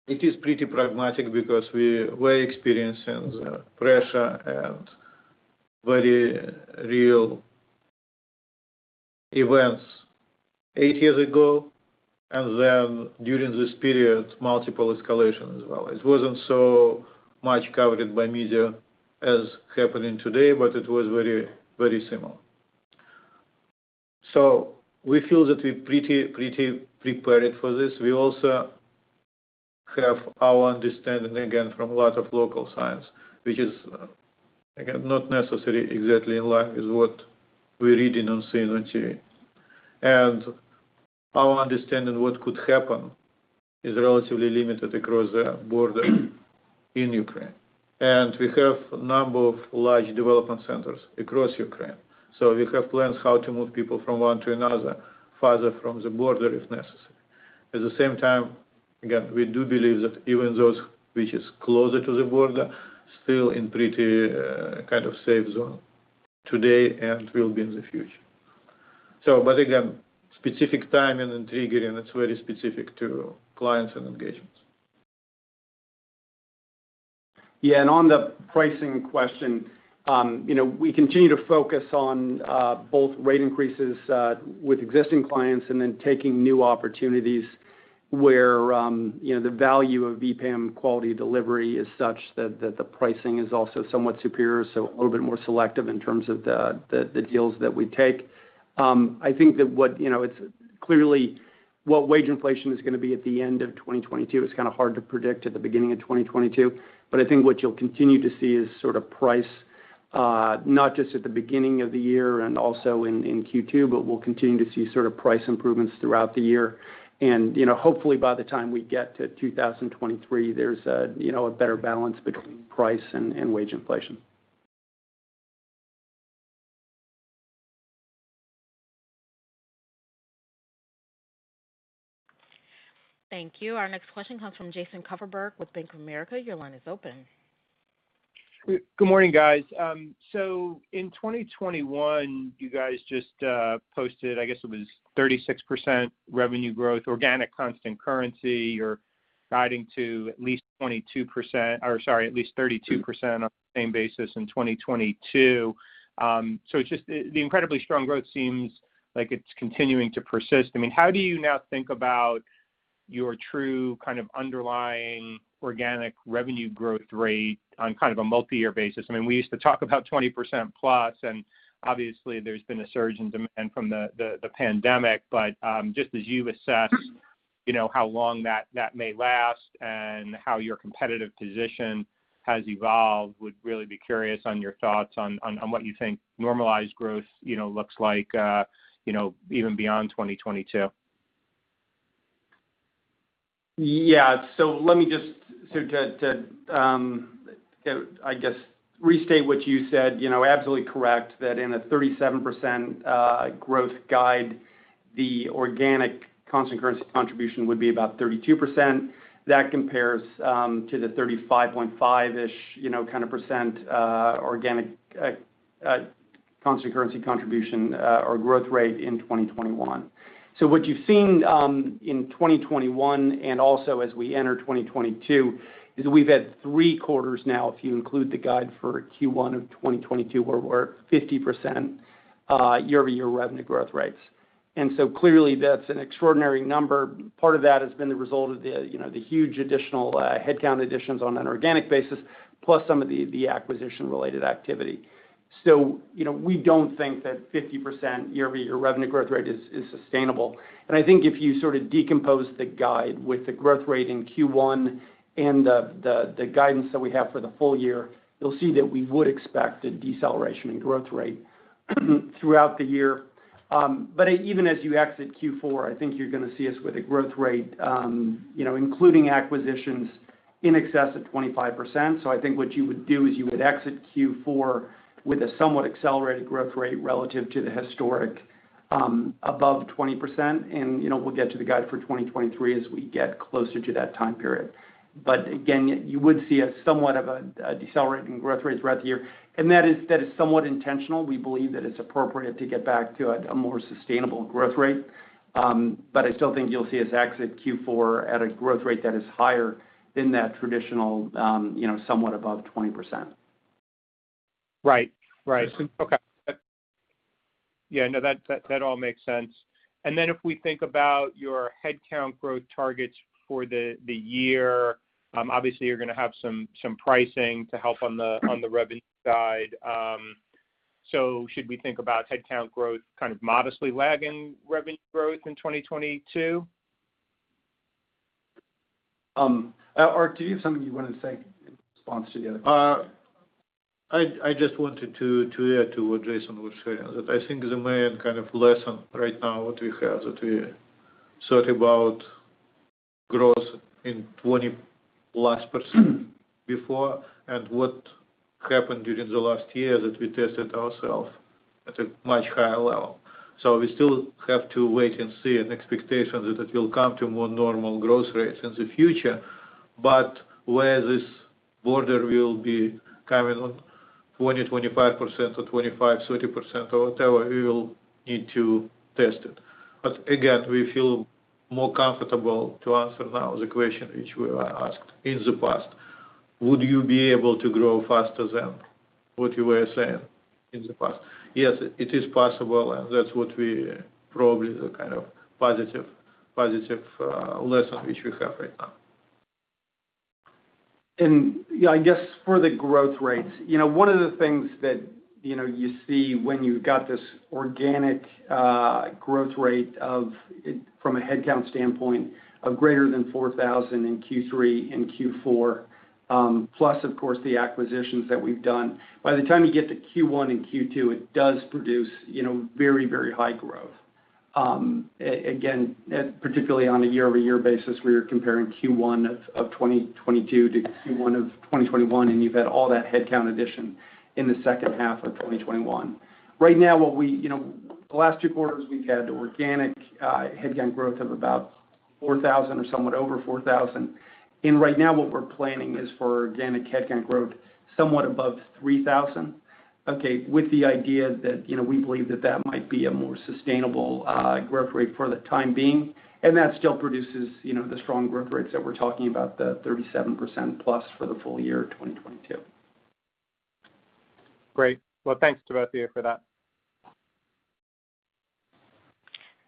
it is pretty pragmatic because we were experiencing the pressure and very real events eight years ago, and then during this period, multiple escalation as well. It wasn't so much covered by media as happening today, but it was very, very similar. We feel that we're pretty prepared for this. We also have our understanding, again, from a lot of local sources, which is, again, not necessarily exactly in line with what we're reading on CNN. Our understanding what could happen is relatively limited across the border in Ukraine. We have a number of large development centers across Ukraine. We have plans how to move people from one to another, farther from the border if necessary. At the same time, again, we do believe that even those which is closer to the border, still in pretty, kind of safe zone today and will be in the future. Again, specific timing and triggering, that's very specific to clients and engagements.
Yeah. On the pricing question, you know, we continue to focus on both rate increases with existing clients and then taking new opportunities where, you know, the value of EPAM quality delivery is such that that the pricing is also somewhat superior, so a little bit more selective in terms of the the the deals that we take. I think that what, you know, it's clearly what wage inflation is gonna be at the end of 2022, it's kinda hard to predict at the beginning of 2022. I think what you'll continue to see is sort of price not just at the beginning of the year and also in Q2, but we'll continue to see sort of price improvements throughout the year. You know, hopefully by the time we get to 2023, there's a, you know, a better balance between price and wage inflation.
Thank you. Our next question comes from Jason Kupferberg with Bank of America. Your line is open.
Good morning, guys. In 2021, you guys just posted, I guess it was 36% revenue growth, organic constant currency. You're guiding to at least 32% on the same basis in 2022. It's just the incredibly strong growth. It seems like it's continuing to persist. I mean, how do you now think about your true kind of underlying organic revenue growth rate on kind of a multi-year basis? I mean, we used to talk about 20%+, and obviously there's been a surge in demand from the pandemic. Just as you assess, you know, how long that may last and how your competitive position has evolved, I would really be curious on your thoughts on what you think normalized growth, you know, looks like even beyond 2022.
Let me just, you know, I guess restate what you said, you know, absolutely correct, that in a 37% growth guide, the organic constant currency contribution would be about 32%. That compares to the 35.5%-ish, you know, kind of organic constant currency contribution or growth rate in 2021. What you've seen in 2021 and also as we enter 2022 is we've had three quarters now, if you include the guide for Q1 of 2022, where we're 50% year-over-year revenue growth rates. Clearly, that's an extraordinary number. Part of that has been the result of you know, the huge additional headcount additions on an organic basis, plus some of the acquisition-related activity. You know, we don't think that 50% year-over-year revenue growth rate is sustainable. I think if you sort of decompose the guide with the growth rate in Q1 and the guidance that we have for the full year, you'll see that we would expect a deceleration in growth rate throughout the year. Even as you exit Q4, I think you're gonna see us with a growth rate, you know, including acquisitions in excess of 25%. I think what you would do is you would exit Q4 with a somewhat accelerated growth rate relative to the historic above 20%. You know, we'll get to the guide for 2023 as we get closer to that time period. Again, you would see a somewhat of a decelerating growth rate throughout the year. That is somewhat intentional. We believe that it's appropriate to get back to a more sustainable growth rate. But I still think you'll see us exit Q4 at a growth rate that is higher than that traditional, you know, somewhat above 20%.
Right. Right.
So-
Okay. Yeah, no, that all makes sense. Then if we think about your headcount growth targets for the year, obviously you're gonna have some pricing to help on the revenue side. Should we think about headcount growth kind of modestly lagging revenue growth in 2022?
Ark, do you have something you wanna say in response to the other question?
I just wanted to add to what Jason was sharing, that I think the main kind of lesson right now what we have that we thought about growth in 20%+ before and what happened during the last year that we tested ourself at a much higher level. We still have to wait and see an expectation that it will come to more normal growth rates in the future, but where this border will be coming on 20%-25% or 25%-30% or whatever, we will need to test it. We feel more comfortable to answer now the question which we were asked in the past. Would you be able to grow faster than what you were saying in the past? Yes, it is possible, and that's what we probably the kind of positive lesson which we have right now.
Yeah, I guess for the growth rates, you know, one of the things that, you know, you see when you've got this organic growth rate of, from a headcount standpoint of greater than 4,000 in Q3 and Q4, plus of course the acquisitions that we've done, by the time you get to Q1 and Q2, it does produce, you know, very, very high growth. Again, particularly on a year-over-year basis, where you're comparing Q1 of 2022 to Q1 of 2021, and you've had all that headcount addition in the second half of 2021. Right now what we, you know, the last two quarters we've had organic headcount growth of about 4,000 or somewhat over 4,000. Right now what we're planning is for organic headcount growth somewhat above 3,000, okay, with the idea that, you know, we believe that that might be a more sustainable growth rate for the time being, and that still produces, you know, the strong growth rates that we're talking about, the 37%+ for the full year 2022. Great. Well, thanks, for that.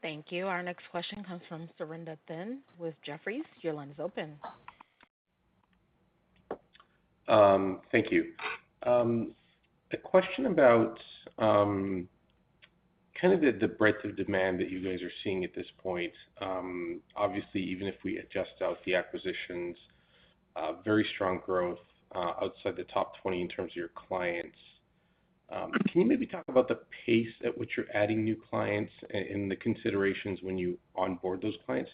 Thank you. Our next question comes from Surinder Thind with Jefferies. Your line is open.
Thank you. A question about kind of the breadth of demand that you guys are seeing at this point. Obviously, even if we adjust out the acquisitions, very strong growth outside the top 20 in terms of your clients. Can you maybe talk about the pace at which you're adding new clients and the considerations when you onboard those clients?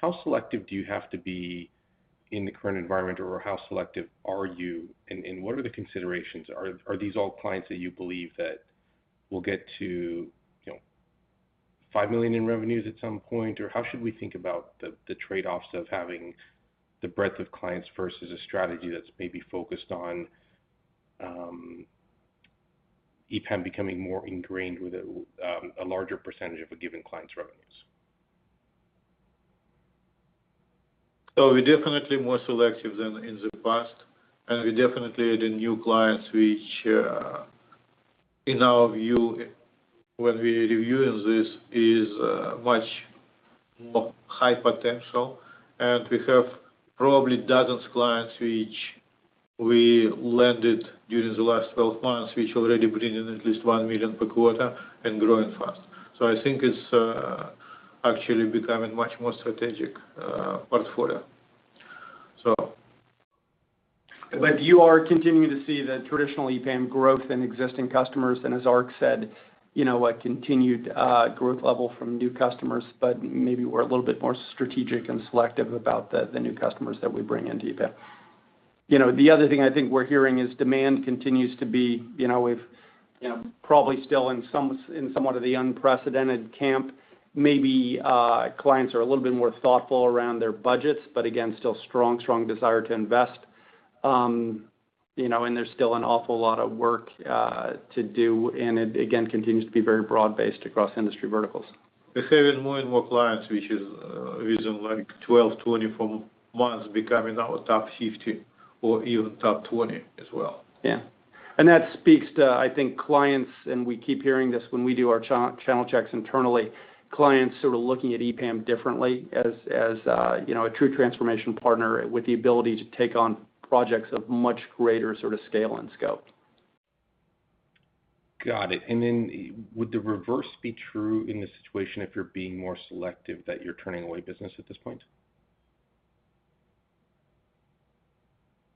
How selective do you have to be in the current environment, or how selective are you, and what are the considerations? Are these all clients that you believe that will get to, you know, $5 million in revenues at some point? Or how should we think about the trade-offs of having the breadth of clients versus a strategy that's maybe focused on EPAM becoming more ingrained with a larger percentage of a given client's revenues?
We're definitely more selective than in the past, and we definitely add in new clients which, in our view, when we review this, is much more high potential. We have probably dozens clients which we landed during the last 12 months, which already bring in at least $1 million per quarter and growing fast. I think it's actually becoming much more strategic portfolio.
You are continuing to see the traditional EPAM growth in existing customers, and as Ark said, you know, a continued growth level from new customers, but maybe we're a little bit more strategic and selective about the new customers that we bring into EPAM. You know, the other thing I think we're hearing is demand continues to be, you know, probably still in somewhat of the unprecedented camp. Maybe clients are a little bit more thoughtful around their budgets, but again, still strong desire to invest. You know, there's still an awful lot of work to do, and it again continues to be very broad-based across industry verticals.
We're having more and more clients which is, within like 12-24 months, becoming our top 50 or even top 20 as well.
Yeah. That speaks to, I think, clients, and we keep hearing this when we do our channel checks internally, clients sort of looking at EPAM differently as you know, a true transformation partner with the ability to take on projects of much greater sort of scale and scope.
Got it. Would the reverse be true in the situation if you're being more selective that you're turning away business at this point?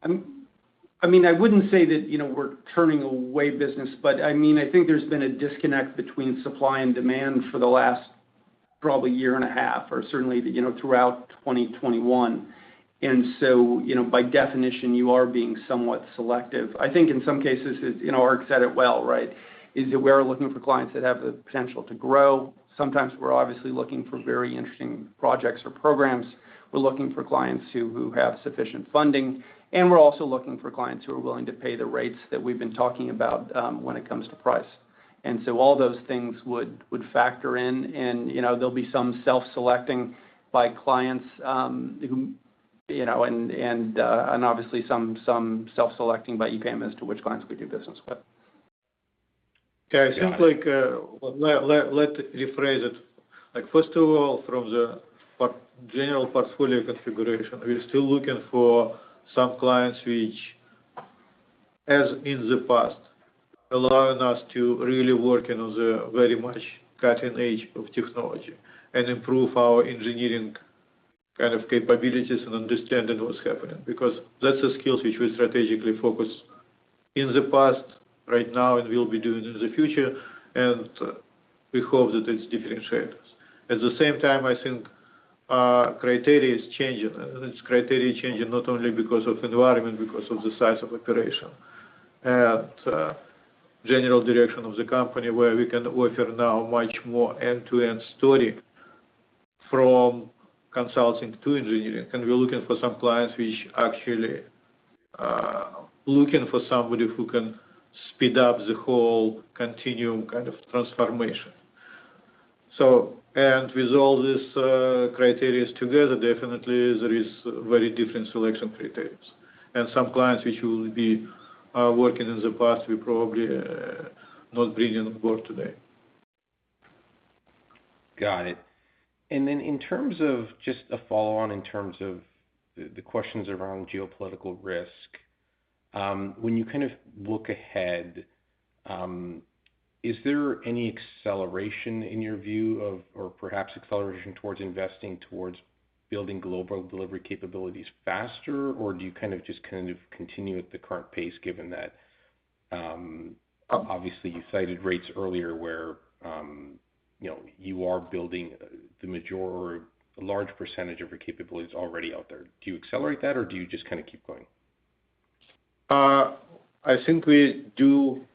I mean, I wouldn't say that, you know, we're turning away business, but, I mean, I think there's been a disconnect between supply and demand for the last probably year and a half or certainly, you know, throughout 2021. You know, by definition, you are being somewhat selective. I think in some cases, as, you know, Ark said it well, right? Is that we're looking for clients that have the potential to grow. Sometimes we're obviously looking for very interesting projects or programs. We're looking for clients who have sufficient funding, and we're also looking for clients who are willing to pay the rates that we've been talking about, when it comes to price. All those things would factor in, and you know, there'll be some self-selecting by clients who you know, and obviously some self-selecting by EPAM as to which clients we do business with.
Got it.
Yeah, it seems like, rephrase it. Like, first of all, from the general portfolio configuration, we're still looking for some clients which, as in the past, allowing us to really work on the very much cutting-edge of technology and improve our engineering kind of capabilities and understanding what's happening. Because that's the skills which we strategically focus on in the past, right now, and we'll be doing in the future, and we hope that it's differentiate us. At the same time, I think our criteria is changing. This criteria changing not only because of environment, because of the size of operation and general direction of the company, where we can offer now much more end-to-end story from consulting to engineering. We're looking for some clients which actually looking for somebody who can speed up the whole Continuum kind of transformation. With all these criteria together, definitely there is very different selection criteria. Some clients which we'll be working in the past, we probably not bringing on board today.
Got it. In terms of just a follow-on in terms of the questions around geopolitical risk, when you kind of look ahead, is there any acceleration in your view of, or perhaps acceleration towards investing towards building global delivery capabilities faster? Or do you kind of just kind of continue at the current pace given that, obviously you cited rates earlier where, you know, you are building the major or a large percentage of your capabilities already out there. Do you accelerate that, or do you just kinda keep going?
I think we do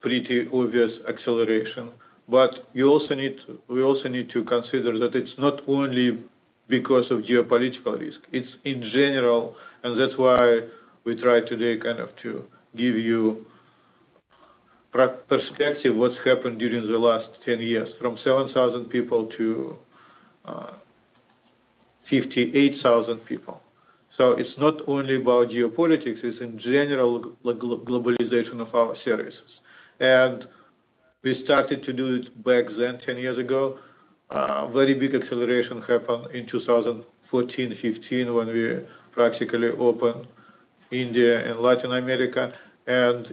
pretty obvious acceleration, but you also need to consider that it's not only because of geopolitical risk, it's in general. That's why we try today kind of to give you perspective what's happened during the last 10 years, from 7,000 people to 58,000 people. It's not only about geopolitics, it's in general globalization of our services. We started to do it back then, 10 years ago. Very big acceleration happened in 2014, 2015, when we practically opened India and Latin America.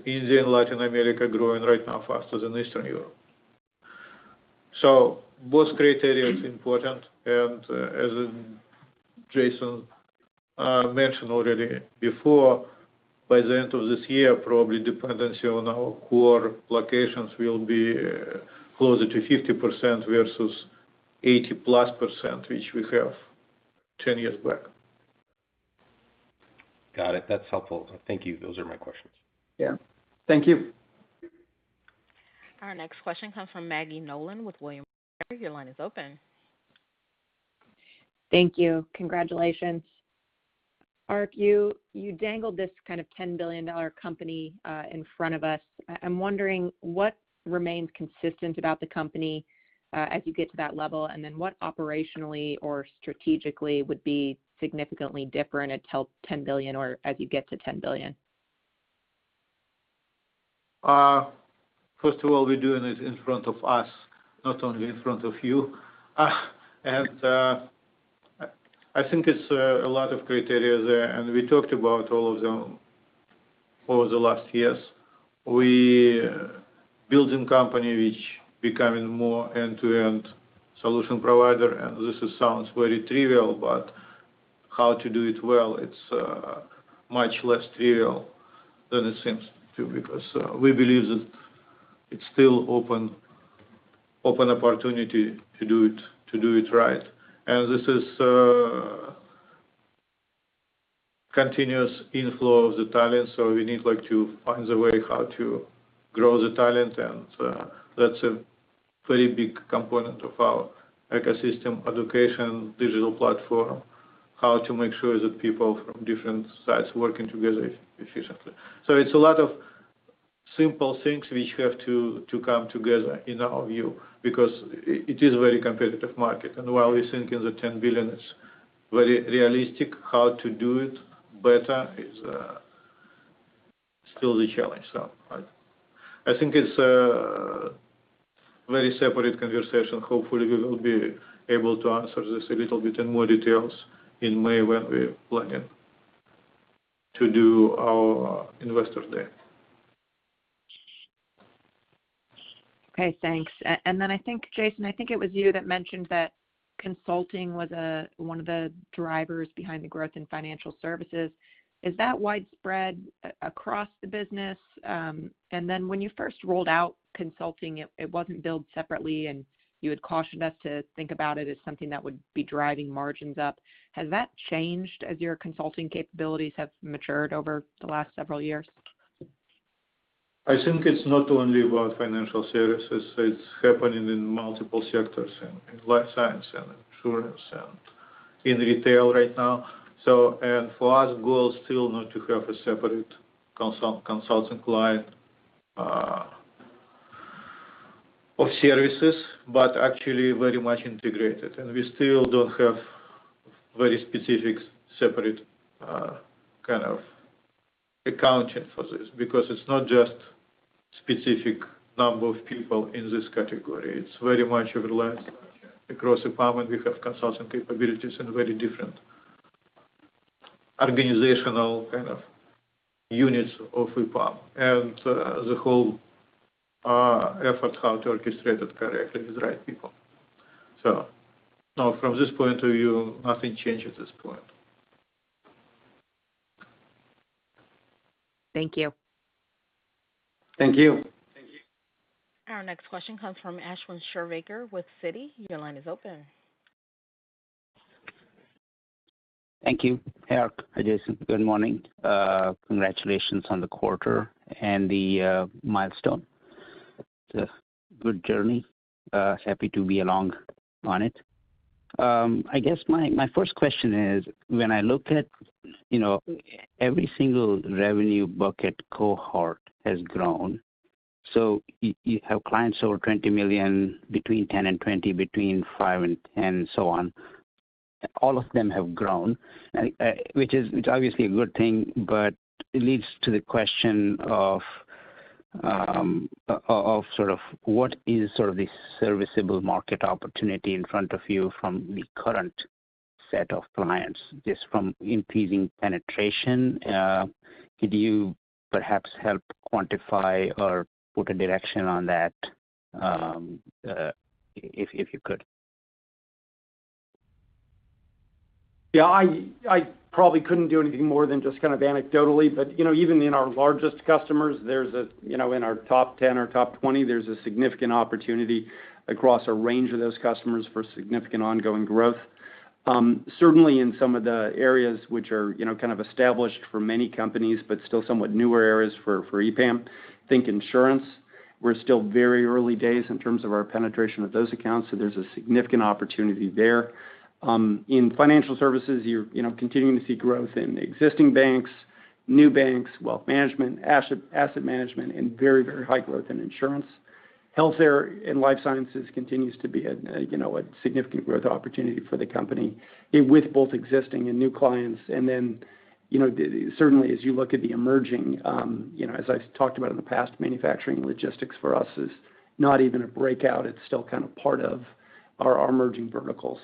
India and Latin America growing right now faster than Eastern Europe. Both criteria is important. As Jason mentioned already before, by the end of this year, probably dependency on our core locations will be closer to 50% versus 80%+, which we have 10 years back.
Got it. That's helpful. Thank you. Those are my questions.
Yeah. Thank you.
Our next question comes from Maggie Nolan with William Blair. Your line is open.
Thank you. Congratulations. Ark, you dangled this kind of 10 billion-dollar company in front of us. I'm wondering what remains consistent about the company as you get to that level, and then what operationally or strategically would be significantly different until 10 billion or as you get to 10 billion?
First of all, we're doing it in front of us, not only in front of you. I think it's a lot of criteria there, and we talked about all of them over the last years. We building company which becoming more end-to-end solution provider, and this is sounds very trivial, but how to do it well, it's much less trivial than it seems to because we believe that it's still open opportunity to do it right. This is continuous inflow of the talent, so we need like to find the way how to grow the talent. That's a very big component of our ecosystem, education, digital platform, how to make sure that people from different sides working together efficiently. It's a lot of simple things which have to to come together in our view, because it is very competitive market. While we think the $10 billion is very realistic, how to do it better is still the challenge. I think it's a very separate conversation. Hopefully, we will be able to answer this a little bit in more details in May when we are planning to do our Investor Day.
Okay, thanks. I think, Jason, I think it was you that mentioned that consulting was one of the drivers behind the growth in financial services. Is that widespread across the business? When you first rolled out consulting, it wasn't billed separately, and you had cautioned us to think about it as something that would be driving margins up. Has that changed as your consulting capabilities have matured over the last several years?
I think it's not only about financial services, it's happening in multiple sectors, in life science, and insurance, and in retail right now. For us, goal is still not to have a separate consulting client of services, but actually very much integrated. We still don't have very specific separate kind of accounting for this because it's not just specific number of people in this category. It's very much overlap. Across the department, we have consulting capabilities in very different organizational kind of units of the firm. The whole effort how to orchestrate it correctly with the right people. No, from this point of view, nothing changed at this point.
Thank you.
Thank you.
Our next question comes from Ashwin Shirvaikar with Citi. Your line is open.
Thank you. Ark, Jason, good morning. Congratulations on the quarter and the milestone. It's a good journey. Happy to be along on it. I guess my first question is, when I look at, you know, every single revenue bucket cohort has grown. You have clients over $20 million, between $10 million and $20 million, between $5 million and $10 million, so on. All of them have grown, which is obviously a good thing, but it leads to the question of sort of what is sort of the serviceable market opportunity in front of you from the current set of clients, just from increasing penetration? Could you perhaps help quantify or put a direction on that, if you could?
Yeah, I probably couldn't do anything more than just kind of anecdotally, but you know, even in our largest customers, you know, in our top 10 or top 20, there's a significant opportunity across a range of those customers for significant ongoing growth. Certainly in some of the areas which are you know, kind of established for many companies, but still somewhat newer areas for EPAM. Think insurance. We're still very early days in terms of our penetration of those accounts, so there's a significant opportunity there. In financial services, you're you know, continuing to see growth in existing banks, new banks, wealth management, asset management, and very high growth in insurance. Healthcare and life sciences continues to be you know, a significant growth opportunity for the company with both existing and new clients. You know, certainly as you look at the emerging, you know, as I've talked about in the past, manufacturing logistics for us is not even a breakout. It's still kind of part of our emerging verticals.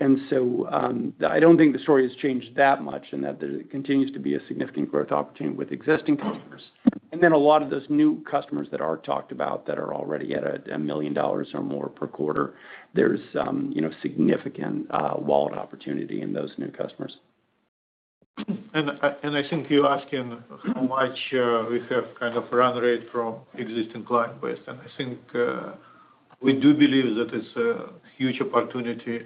I don't think the story has changed that much in that there continues to be a significant growth opportunity with existing customers. A lot of those new customers that are talked about that are already at $1 million or more per quarter, there's you know significant wallet opportunity in those new customers.
I think you're asking how much we have kind of run rate from existing client base. I think we do believe that it's a huge opportunity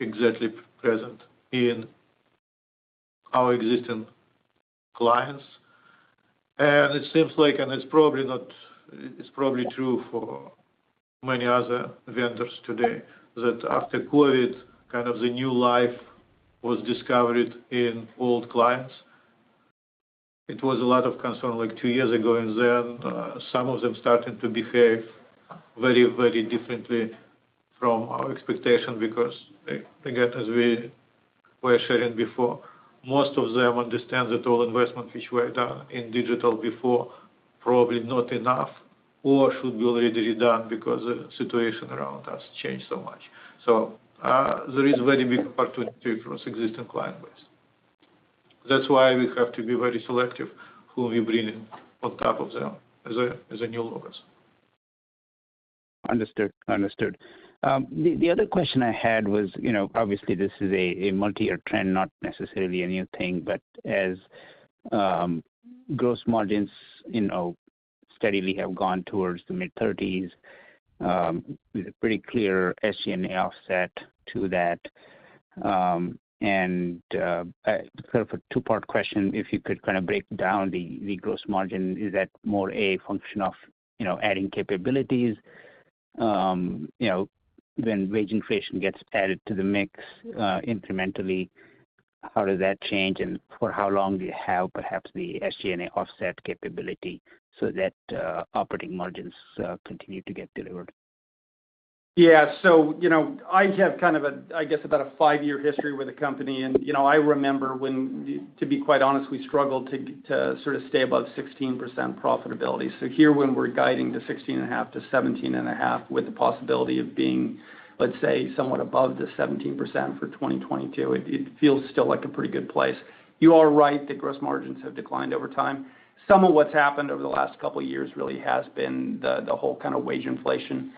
exactly present in our existing clients. It's probably true for many other vendors today that after COVID, kind of the new life was discovered in old clients. It was a lot of concern like two years ago, and then some of them started to behave very, very differently from our expectation because, again, as we were sharing before, most of them understand that all investment which were done in digital before, probably not enough or should be redone because the situation around us changed so much. There is very big opportunity for us existing client base. That's why we have to be very selective who we bring in on top of them as a new logos.
Understood. The other question I had was, you know, obviously this is a multi-year trend, not necessarily a new thing. As gross margins, you know, steadily have gone towards the mid-30%s, with a pretty clear SG&A offset to that. Sort of a two-part question, if you could kind of break down the gross margin, is that more a function of, you know, adding capabilities? You know, when wage inflation gets added to the mix, incrementally, how does that change and for how long do you have perhaps the SG&A offset capability so that operating margins continue to get delivered?
Yeah. You know, I have kind of a, I guess about a five-year history with the company and, you know, I remember when, to be quite honest, we struggled to sort of stay above 16% profitability. Here when we're guiding to 16.5%-17.5% with the possibility of being, let's say, somewhat above the 17% for 2022, it feels still like a pretty good place. You are right that gross margins have declined over time. Some of what's happened over the last couple of years really has been the whole kind of wage inflation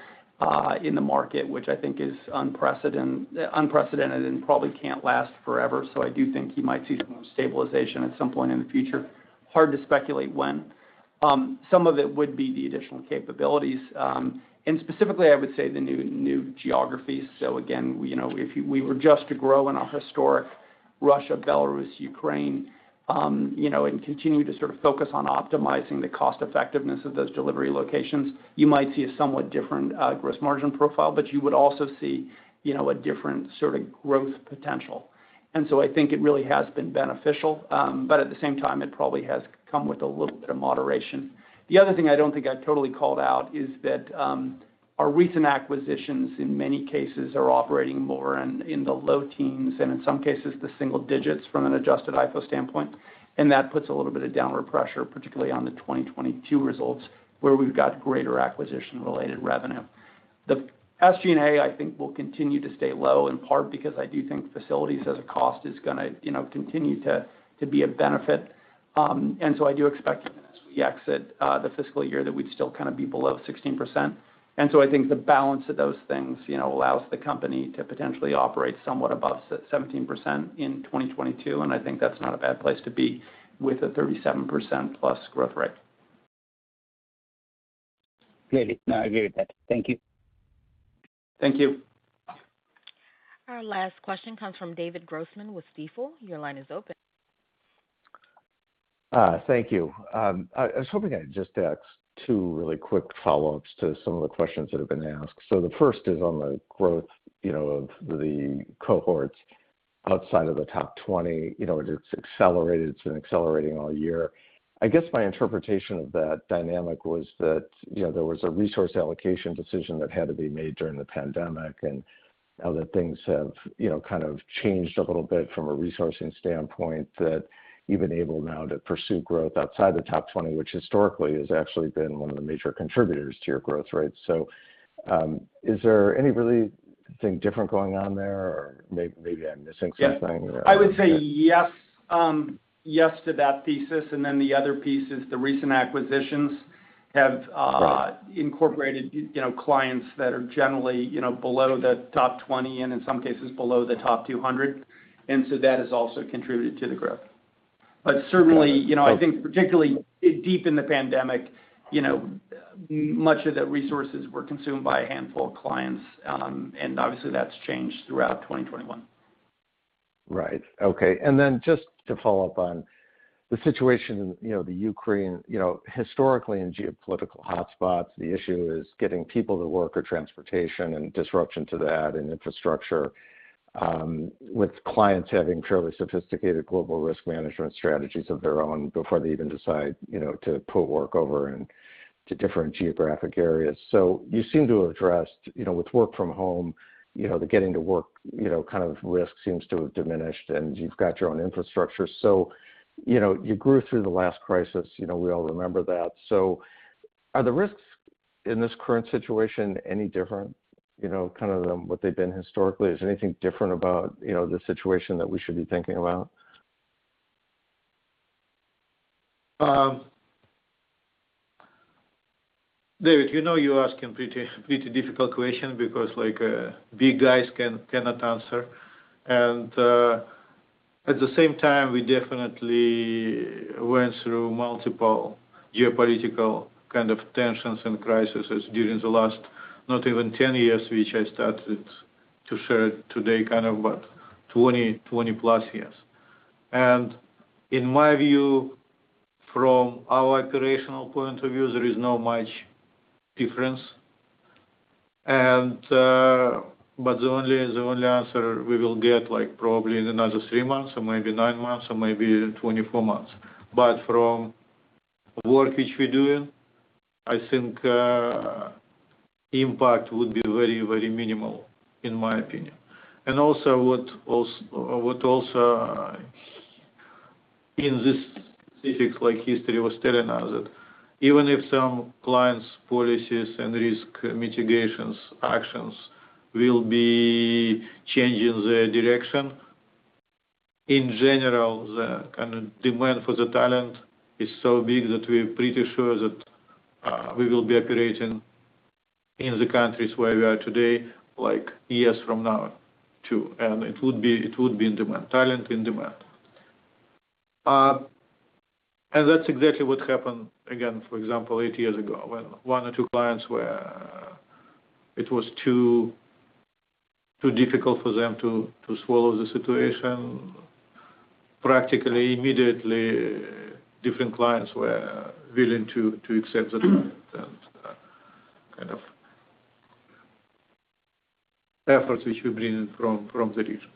in the market, which I think is unprecedented and probably can't last forever. I do think you might see some stabilization at some point in the future. Hard to speculate when. Some of it would be the additional capabilities, and specifically, I would say the new geographies. Again, you know, if we were just to grow in our historic Russia, Belarus, Ukraine, you know, and continue to sort of focus on optimizing the cost effectiveness of those delivery locations, you might see a somewhat different gross margin profile, but you would also see, you know, a different sort of growth potential. I think it really has been beneficial. At the same time, it probably has come with a little bit of moderation. The other thing I don't think I totally called out is that our recent acquisitions, in many cases, are operating more in the low teens and in some cases the single digits from an adjusted IPO standpoint. That puts a little bit of downward pressure, particularly on the 2022 results, where we've got greater acquisition-related revenue. The SG&A, I think, will continue to stay low, in part because I do think facilities as a cost is gonna, you know, continue to be a benefit. I do expect as we exit the fiscal year that we'd still kind of be below 16%. I think the balance of those things, you know, allows the company to potentially operate somewhat above 17% in 2022, and I think that's not a bad place to be with a 37%+ growth rate.
Clearly. No, I agree with that. Thank you.
Thank you.
Our last question comes from David Grossman with Stifel. Your line is open.
Thank you. I was hoping I'd just ask two really quick follow-ups to some of the questions that have been asked. The first is on the growth, you know, of the cohorts outside of the top 20. You know, it's accelerated. It's been accelerating all year. I guess my interpretation of that dynamic was that, you know, there was a resource allocation decision that had to be made during the pandemic and now that things have, you know, kind of changed a little bit from a resourcing standpoint, that you've been able now to pursue growth outside the top 20, which historically has actually been one of the major contributors to your growth rate. Is there anything really different going on there? Or maybe I'm missing something or-
Yeah. I would say yes to that thesis, and then the other piece is the recent acquisitions have,
Right
Incorporated, you know, clients that are generally, you know, below the top 20, and in some cases below the top 200, and so that has also contributed to the growth. Certainly- Okay.
You know, I think particularly deep in the pandemic, you know, much of the resources were consumed by a handful of clients, and obviously that's changed throughout 2021.
Right. Okay. Then just to follow up on the situation, you know, the Ukraine, you know, historically in geopolitical hotspots, the issue is getting people to work or transportation and disruption to that and infrastructure, with clients having fairly sophisticated global risk management strategies of their own before they even decide, you know, to put work over into different geographic areas. You seem to have addressed, you know, with work from home, you know, the getting to work, you know, kind of risk seems to have diminished, and you've got your own infrastructure. You know, you grew through the last crisis. You know, we all remember that. Are the risks in this current situation any different, you know, kind of than what they've been historically? Is there anything different about, you know, the situation that we should be thinking about?
David, you know, you're asking pretty difficult question because big guys cannot answer. At the same time, we definitely went through multiple geopolitical kind of tensions and crises during the last not even 10 years, which I started to share today, kind of about 20+ years. In my view, from our operational point of view, there is not much difference. But the only answer we will get, like, probably in another three months or maybe nine months or maybe 24 months. From work which we're doing, I think, impact would be very minimal, in my opinion. Also what also in this specific, like, history was telling us that even if some clients' policies and risk mitigation actions will be changing the direction, in general, the kind of demand for the talent is so big that we're pretty sure that we will be operating in the countries where we are today, like, years from now too, and it would be in demand, talent in demand. That's exactly what happened again, for example, eight years ago, when one or two clients were. It was too difficult for them to swallow the situation. Practically immediately, different clients were willing to accept that and kind of efforts which we bring in from the region.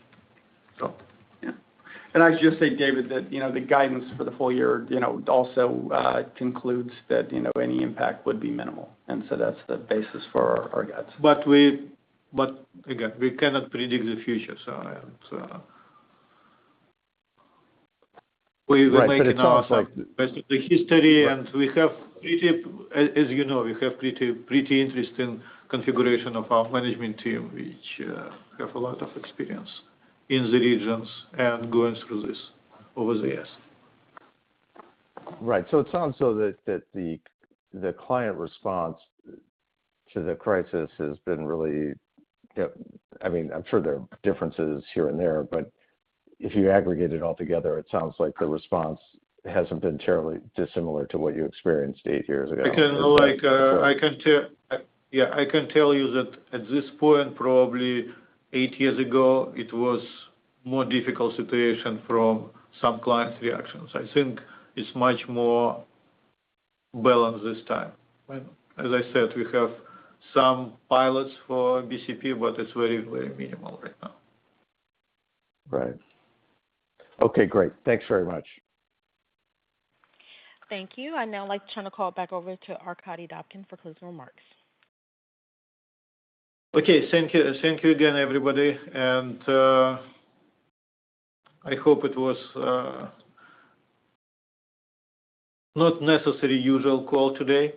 Yeah.
I'll just say, David, that, you know, the guidance for the full year, you know, also, concludes that, you know, any impact would be minimal, and so that's the basis for our guides.
Again, we cannot predict the future, so we will make it.
Right. It sounds like.
Our best in the history.
Right.
As you know, we have pretty interesting configuration of our management team, which have a lot of experience in the regions and going through this over the years.
Right. It sounds like that. The client response to the crisis has been really, I mean, I'm sure there are differences here and there, but if you aggregate it all together, it sounds like the response hasn't been terribly dissimilar to what you experienced eight years ago.
Because like, I can tell you that at this point, probably eight years ago, it was more difficult situation from some clients' reactions. I think it's much more balanced this time. As I said, we have some pilots for BCP, but it's very, very minimal right now.
Right. Okay, great. Thanks very much.
Thank you. I'd now like to turn the call back over to Arkadiy Dobkin for closing remarks.
Okay, thank you. Thank you again, everybody. I hope it was not necessarily the usual call today,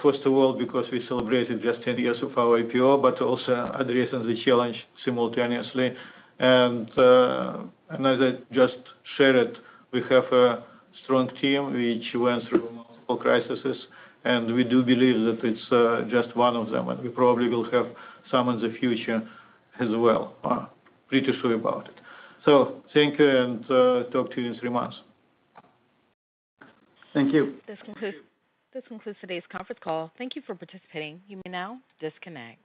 first of all, because we celebrated just 10 years of our IPO, but also addressing the challenge simultaneously. As I just shared, we have a strong team which went through multiple crises, and we do believe that it's just one of them, and we probably will have some in the future as well. Pretty sure about it. Thank you, and talk to you in three months.
Thank you.
This concludes today's conference call. Thank you for participating. You may now disconnect.